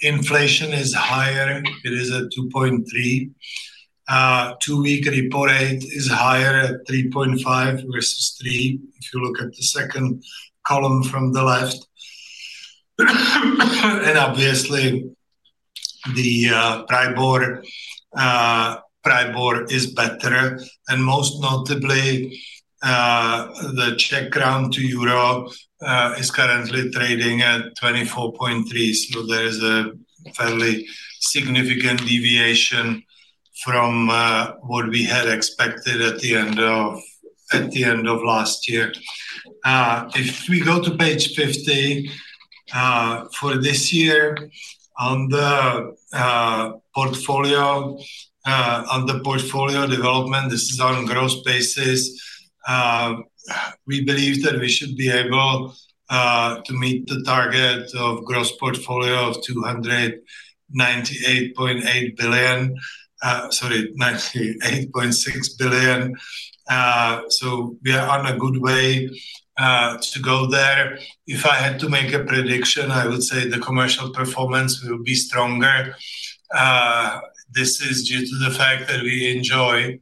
Inflation is higher. It is at 2.3%. Two-week repo rate is higher at 3.5% versus 3%, if you look at the second column from the left. Obviously, the PRIBOR is better. Most notably, the Czech crown to euro is currently trading at 24.3. There is a fairly significant deviation from what we had expected at the end of last year. If we go to page 50 for this year, on the portfolio development, this is on a gross basis. We believe that we should be able to meet the target of a gross portfolio of 298.8 billion. Sorry, 98.6 billion. We are on a good way to go there. If I had to make a prediction, I would say the commercial performance will be stronger. This is due to the fact that we enjoy a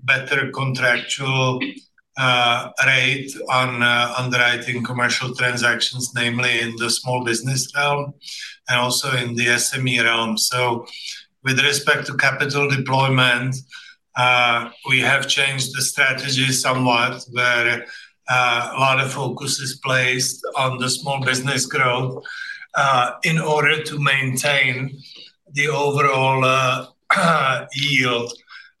better contractual rate on underwriting commercial transactions, namely in the small business realm and also in the SME realm. With respect to capital deployment, we have changed the strategy somewhat, where a lot of focus is placed on the small business growth in order to maintain the overall yield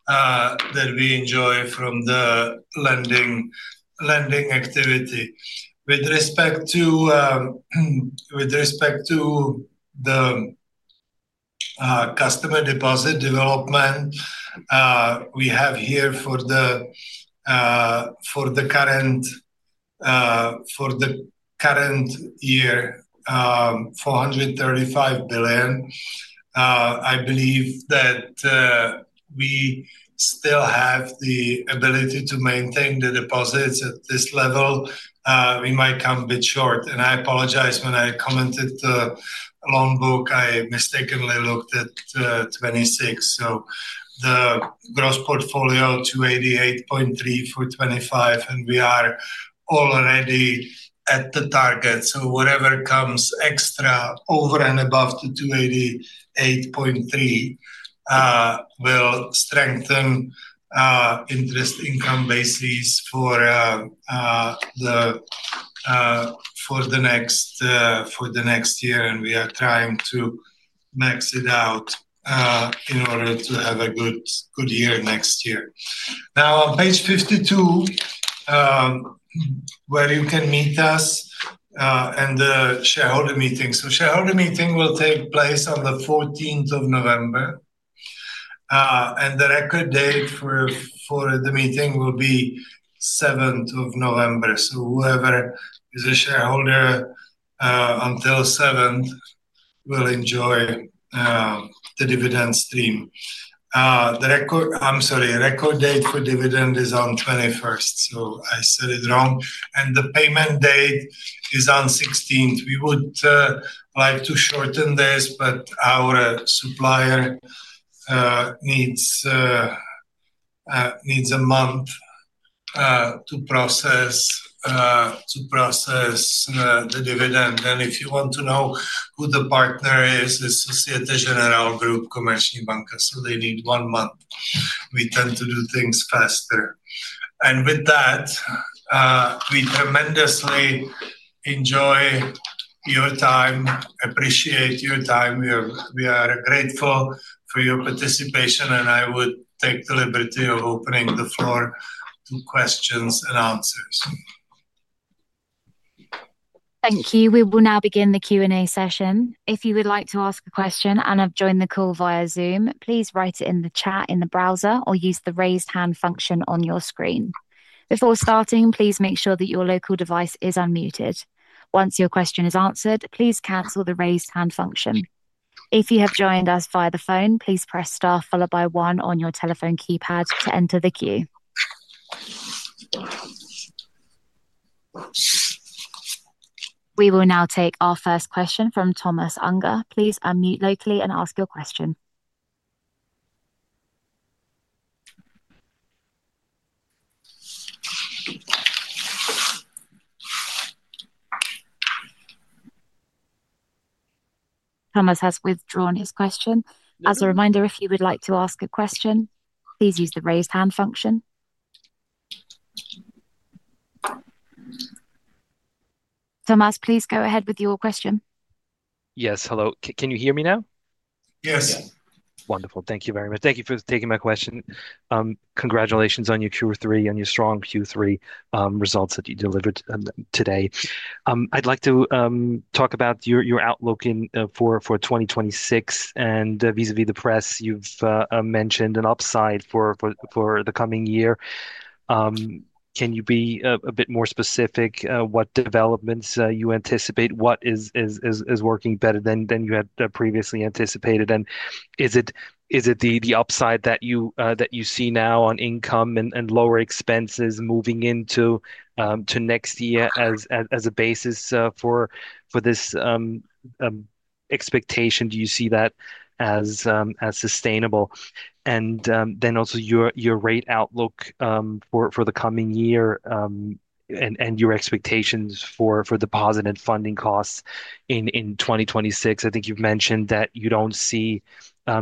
that we enjoy from the lending activity. With respect to the customer deposit development, we have here for the current year 435 billion. I believe that we still have the ability to maintain the deposits at this level. We might come a bit short. I apologize, when I commented the loan book, I mistakenly looked at 26. The gross portfolio is 288.3 billion for 2025. We are already at the target. Whatever comes extra over and above the 288.3 billion will strengthen interest income bases for the next year. We are trying to max it out in order to have a good year next year. Now, on page 52, where you can meet us and the shareholder meeting. The shareholder meeting will take place on the 14th of November. The record date for the meeting will be the 7th of November. Whoever is a shareholder until the 7th will enjoy the dividend stream. I'm sorry. The record date for dividend is on the 21st. I said it wrong. The payment date is on the 16th. We would like to shorten this, but our supplier needs a month to process the dividend. If you want to know who the partner is, it's Société Générale Group, Komerční banka. They need one month. We tend to do things faster. We tremendously enjoy your time, appreciate your time. We are grateful for your participation. I would take the liberty of opening the floor to questions and answers. Thank you. We will now begin the Q&A session. If you would like to ask a question and have joined the call via Zoom, please write it in the chat in the browser or use the raised hand function on your screen. Before starting, please make sure that your local device is unmuted. Once your question is answered, please cancel the raised hand function. If you have joined us via the phone, please press star followed by one on your telephone keypad to enter the queue. We will now take our first question from Thomas Unger. Please unmute locally and ask your question. Thomas has withdrawn his question. As a reminder, if you would like to ask a question, please use the raised hand function. Thomas, please go ahead with your question. Yes, hello. Can you hear me now? Yes. Wonderful. Thank you very much. Thank you for taking my question. Congratulations on your Q3 and your strong Q3 results that you delivered today. I'd like to talk about your outlook for 2026. Vis-à-vis the press, you've mentioned an upside for the coming year. Can you be a bit more specific? What developments you anticipate? What is working better than you had previously anticipated? Is it the upside that you see now on income and lower expenses moving into next year as a basis for this expectation? Do you see that as sustainable? Also, your rate outlook for the coming year and your expectations for deposit and funding costs in 2026. I think you've mentioned that you don't see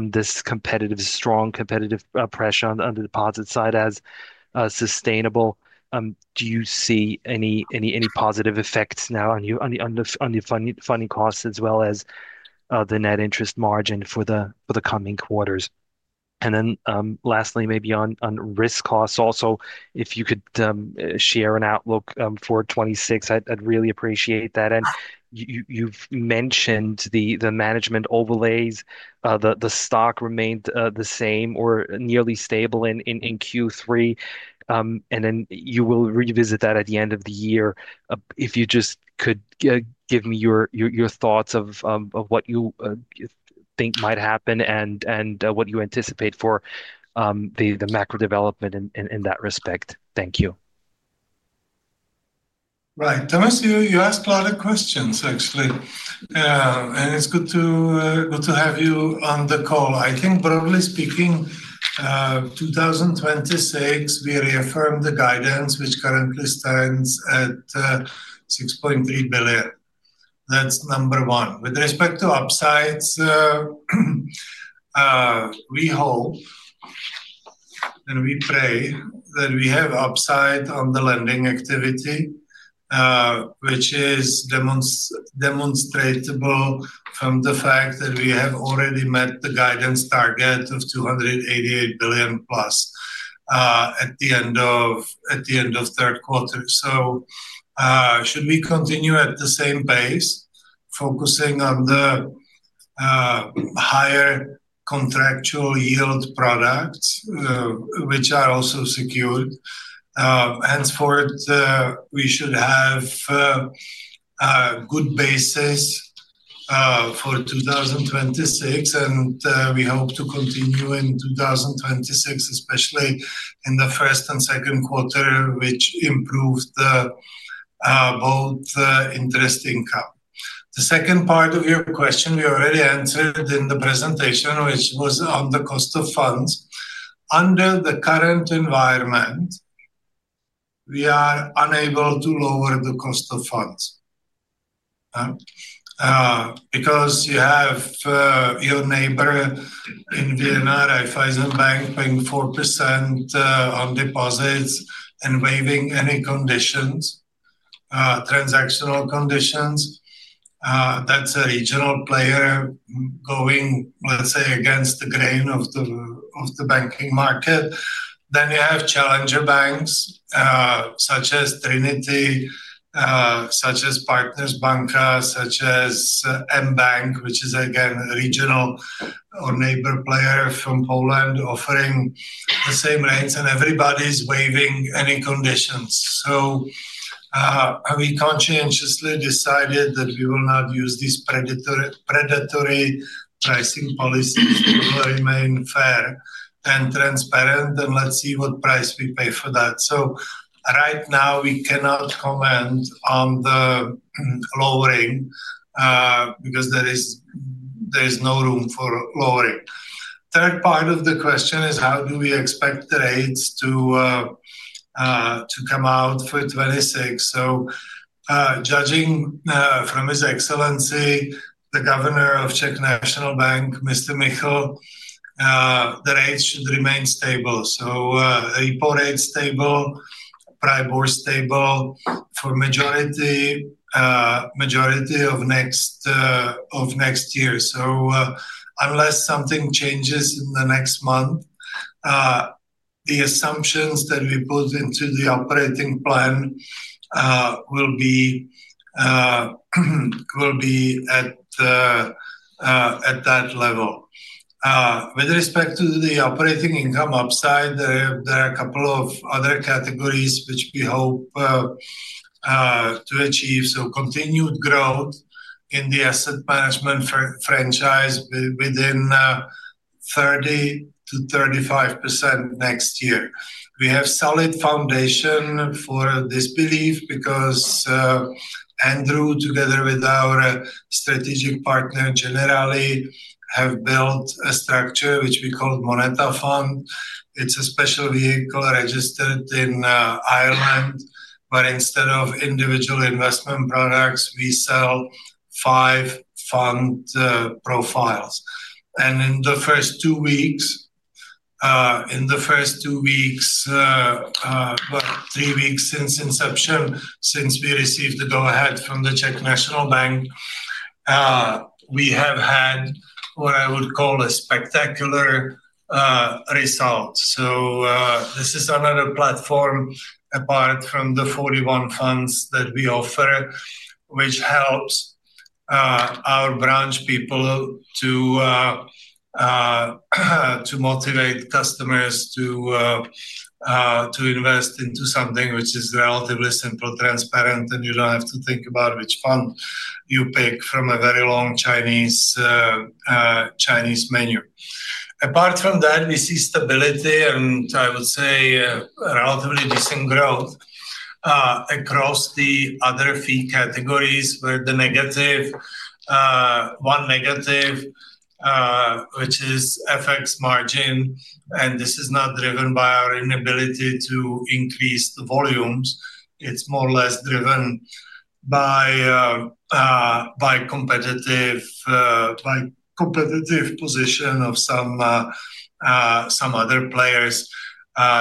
this strong competitive pressure on the deposit side as sustainable. Do you see any positive effects now on your funding costs, as well as the net interest margin for the coming quarters? Lastly, maybe on risk costs also, if you could share an outlook for 2026, I'd really appreciate that. You've mentioned the management overlays. The stock remained the same or nearly stable in Q3. You will revisit that at the end of the year. If you just could give me your thoughts of what you think might happen and what you anticipate for the macro development in that respect. Thank you. Right. Thomas, you asked a lot of questions, actually. It's good to have you on the call. I think, broadly speaking, 2026, we reaffirm the guidance, which currently stands at 6.3 billion. That's number one. With respect to upsides, we hope and we pray that we have upside on the lending activity, which is demonstrable from the fact that we have already met the guidance target of 288+ billion at the end of the third quarter. Should we continue at the same pace, focusing on the higher contractual yield products, which are also secured, we should have a good basis for 2026. We hope to continue in 2026, especially in the first and second quarter, which improved both interest income. The second part of your question we already answered in the presentation, which was on the cost of funds. Under the current environment, we are unable to lower the cost of funds because you have your neighbor in Vienna, Raiffeisen Bank, paying 4% on deposits and waiving any transactional conditions. That's a regional player going against the grain of the banking market. You have challenger banks such as Trinity, such as Partners Banka, such as mBank, which is, again, a regional or neighbor player from Poland offering the same rates. Everybody's waiving any conditions. We conscientiously decided that we will not use these predatory pricing policies. We will remain fair and transparent and let's see what price we pay for that. Right now, we cannot comment on the lowering because there is no room for lowering. The third part of the question is how do we expect the rates to come out for 2026. Judging from His Excellency, the Governor of Czech National Bank, Mr. Michl, the rates should remain stable. Repo rates are stable, PRIBOR is stable for the majority of next year. Unless something changes in the next month, the assumptions that we put into the operating plan will be at that level. With respect to the operating income upside, there are a couple of other categories which we hope to achieve. Continued growth in the asset management franchise within 30%-35% next year. We have a solid foundation for this belief because Andrew, together with our strategic partner Generali, have built a structure which we call MONETA Fund. It's a special vehicle registered in Ireland, where instead of individual investment products, we sell five fund profiles. In the first two weeks, about three weeks since inception, since we received the go-ahead from the Czech National Bank, we have had what I would call a spectacular result. This is another platform apart from the 41 funds that we offer, which helps our branch people to motivate customers to invest into something which is relatively simple, transparent, and you don't have to think about which fund you pick from a very long Chinese menu. Apart from that, we see stability and I would say a relatively decent growth across the other fee categories with the negative, one negative, which is FX margin. This is not driven by our inability to increase the volumes. It's more or less driven by a competitive position of some other players,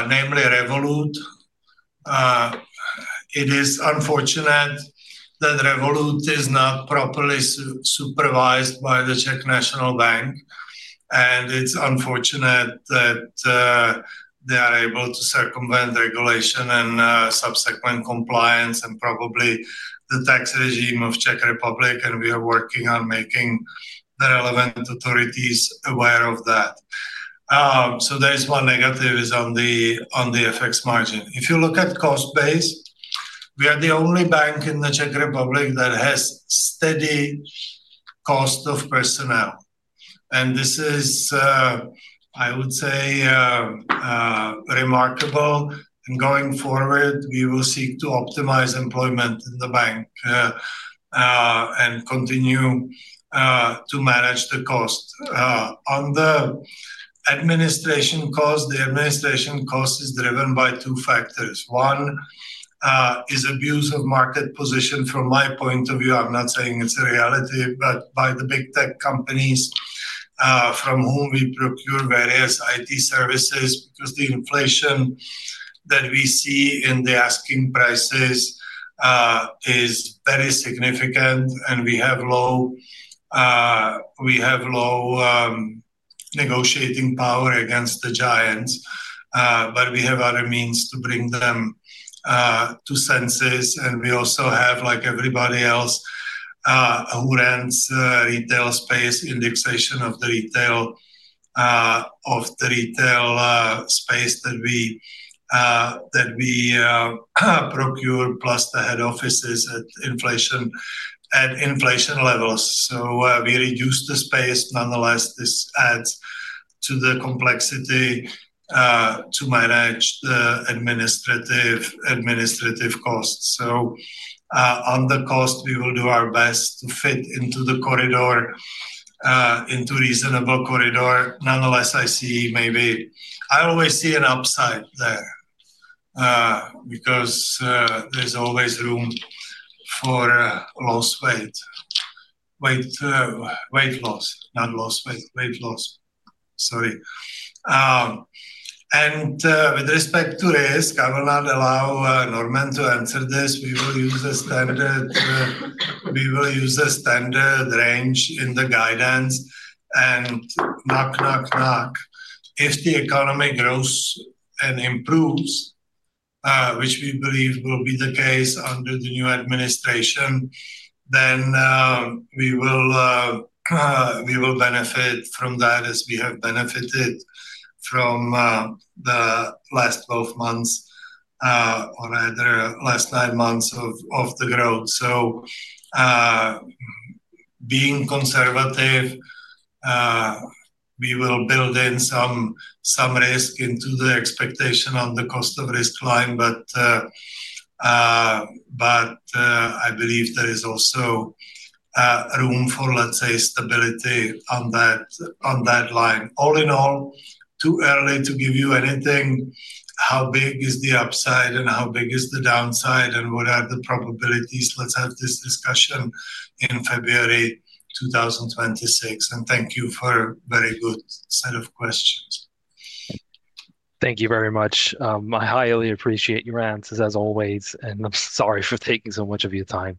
namely Revolut. It is unfortunate that Revolut is not properly supervised by the Czech National Bank. It is unfortunate that they are able to circumvent regulation and subsequent compliance and probably the tax regime of the Czech Republic. We are working on making the relevant authorities aware of that. That is one negative on the FX margin. If you look at cost base, we are the only bank in the Czech Republic that has a steady cost of personnel. This is, I would say, remarkable. Going forward, we will seek to optimize employment in the bank and continue to manage the cost. On the administration cost, the administration cost is driven by two factors. One is abuse of market position. From my point of view, I'm not saying it's a reality, but by the big tech companies from whom we procure various IT services, because the inflation that we see in the asking prices is very significant. We have low negotiating power against the giants, but we have other means to bring them to senses. We also have, like everybody else who rents retail space, indexation of the retail space that we procure. Plus the head offices at inflation levels. We reduce the space. Nonetheless, this adds to the complexity to manage the administrative costs. On the cost, we will do our best to fit into the corridor, into a reasonable corridor. I see maybe I always see an upside there, because there's always room for weight loss, not loss weight, weight loss, sorry. With respect to risk, I will not allow Normann to answer this. We will use a standard range in the guidance and knock, knock, knock. If the economy grows and improves, which we believe will be the case under the new administration, we will benefit from that as we have benefited from the last 12 months, or rather last nine months of the growth. Being conservative, we will build in some risk into the expectation on the cost of risk line. I believe there is also room for, let's say, stability on that line. All in all, too early to give you anything. How big is the upside and how big is the downside and what are the probabilities? Let's have this discussion in February 2026. Thank you for a very good set of questions. Thank you very much. I highly appreciate your answers as always, and I'm sorry for taking so much of your time.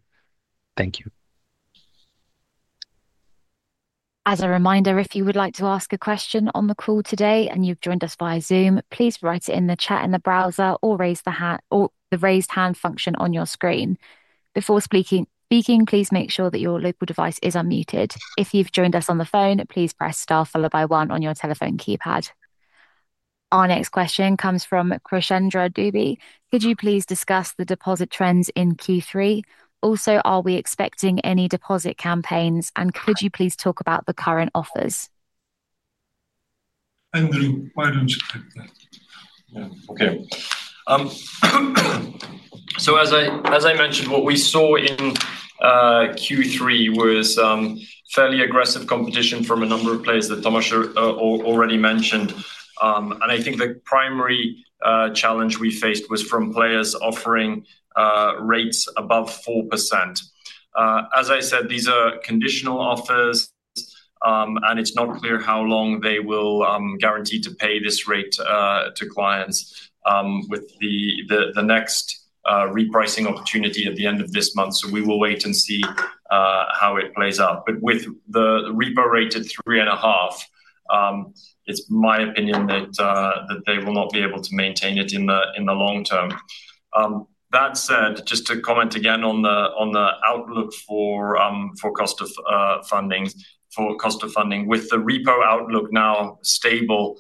Thank you. As a reminder, if you would like to ask a question on the call today and you've joined us via Zoom, please write it in the chat in the browser or use the raised hand function on your screen. Before speaking, please make sure that your local device is unmuted. If you've joined us on the phone, please press star followed by one on your telephone keypad. Our next question comes from [Krishnendra Dubey]. Could you please discuss the deposit trends in Q3? Also, are we expecting any deposit campaigns and could you please talk about the current offers? Andrew, why don't you take that? Yeah. Okay. As I mentioned, what we saw in Q3 was fairly aggressive competition from a number of players that Tomáš already mentioned. I think the primary challenge we faced was from players offering rates above 4%. As I said, these are conditional offers, and it's not clear how long they will guarantee to pay this rate to clients, with the next repricing opportunity at the end of this month. We will wait and see how it plays out. With the repo rate at 3.5%, it's my opinion that they will not be able to maintain it in the long-term. That said, just to comment again on the outlook for cost of funding, with the repo outlook now stable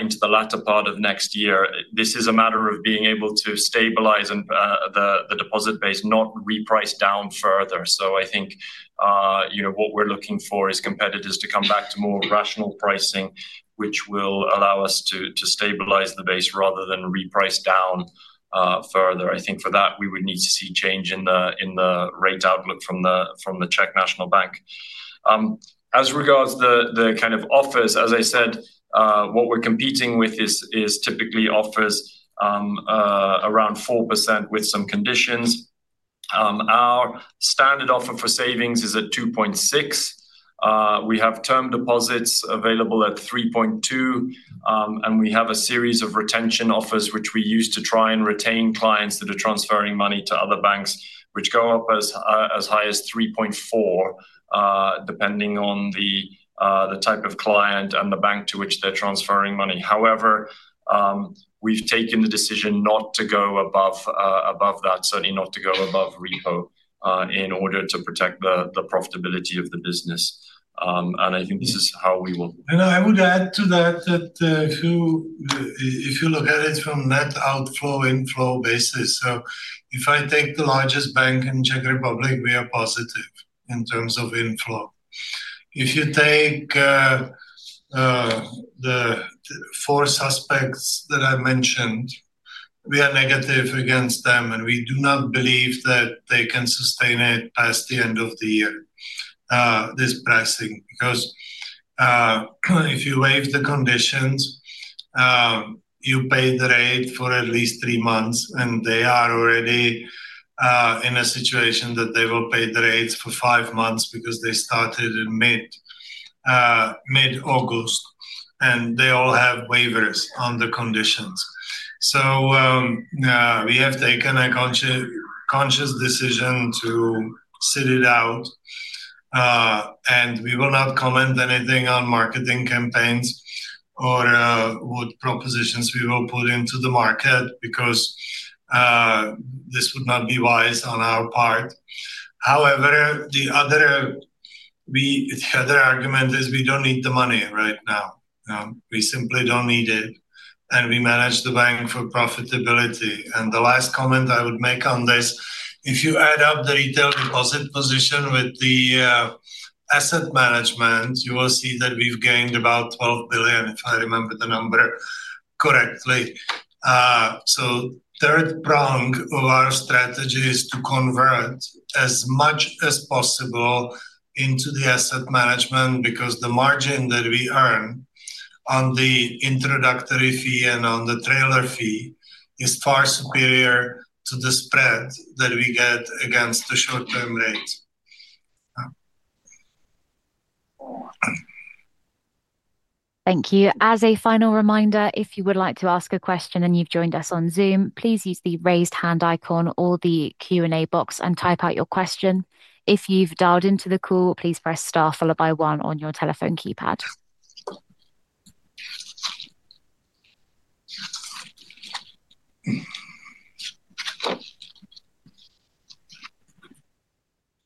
into the latter part of next year, this is a matter of being able to stabilize and the deposit base not reprice down further. I think what we're looking for is competitors to come back to more rational pricing, which will allow us to stabilize the base rather than reprice down further. I think for that, we would need to see change in the rate outlook from the Czech National Bank. As regards the kind of offers, as I said, what we're competing with is typically offers around 4% with some conditions. Our standard offer for savings is at 2.6%. We have term deposits available at 3.2%, and we have a series of retention offers which we use to try and retain clients that are transferring money to other banks, which go up as high as 3.4%, depending on the type of client and the bank to which they're transferring money. However, we've taken the decision not to go above that, certainly not to go above repo, in order to protect the profitability of the business. I think this is how we will. I would add to that, if you look at it from net outflow inflow basis. If I take the largest bank in the Czech Republic, we are positive in terms of inflow. If you take the four suspects that I mentioned, we are negative against them, and we do not believe that they can sustain it past the end of the year, this pricing. If you waive the conditions, you pay the rate for at least three months, and they are already in a situation that they will pay the rates for five months because they started in mid-August, and they all have waivers on the conditions. We have taken a conscious decision to sit it out, and we will not comment anything on marketing campaigns or what propositions we will put into the market because this would not be wise on our part. The other argument is we don't need the money right now. We simply don't need it, and we manage the bank for profitability. The last comment I would make on this, if you add up the retail deposit position with the asset management, you will see that we've gained about 12 billion, if I remember the number correctly. The third prong of our strategy is to convert as much as possible into the asset management because the margin that we earn on the introductory fee and on the trailer fee is far superior to the spread that we get against the short-term rates. Thank you. As a final reminder, if you would like to ask a question and you've joined us on Zoom, please use the raised hand icon or the Q&A box and type out your question. If you've dialed into the call, please press star followed by one on your telephone keypad.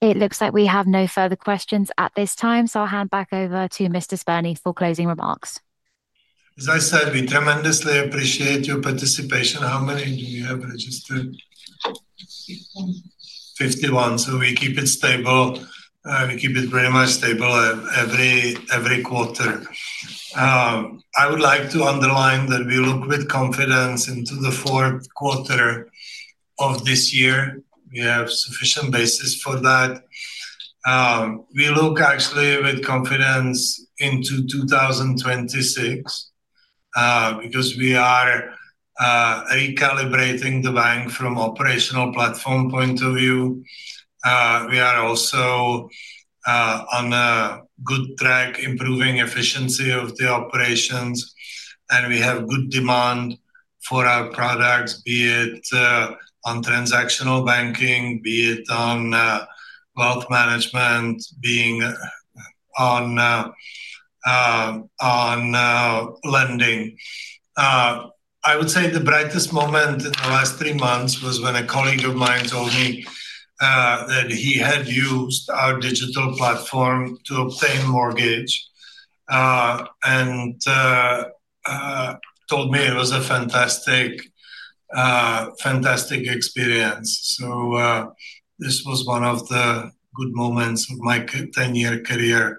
It looks like we have no further questions at this time. I'll hand back over to Mr. Spurný for closing remarks. As I said, we tremendously appreciate your participation. How many do you have registered? 51. We keep it stable. We keep it pretty much stable every quarter. I would like to underline that we look with confidence into the fourth quarter of this year. We have sufficient basis for that. We look actually with confidence into 2026, because we are recalibrating the bank from an operational platform point of view. We are also on a good track improving efficiency of the operations, and we have good demand for our products, be it on transactional banking, be it on wealth management, be it on lending. I would say the brightest moment in the last three months was when a colleague of mine told me that he had used our digital platform to obtain a mortgage, and told me it was a fantastic, fantastic experience. This was one of the good moments of my 10-year career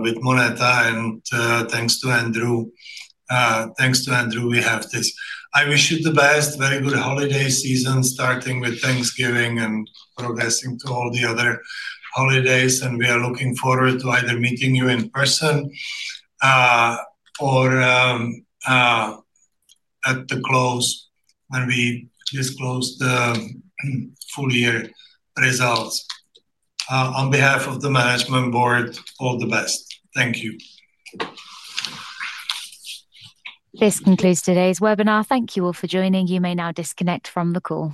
with MONETA, and thanks to Andrew, thanks to Andrew, we have this. I wish you the best. Very good holiday season starting with Thanksgiving and progressing to all the other holidays, and we are looking forward to either meeting you in person or at the close when we disclose the full-year results. On behalf of the management Board, all the best. Thank you. This concludes today's webinar. Thank you all for joining. You may now disconnect from the call.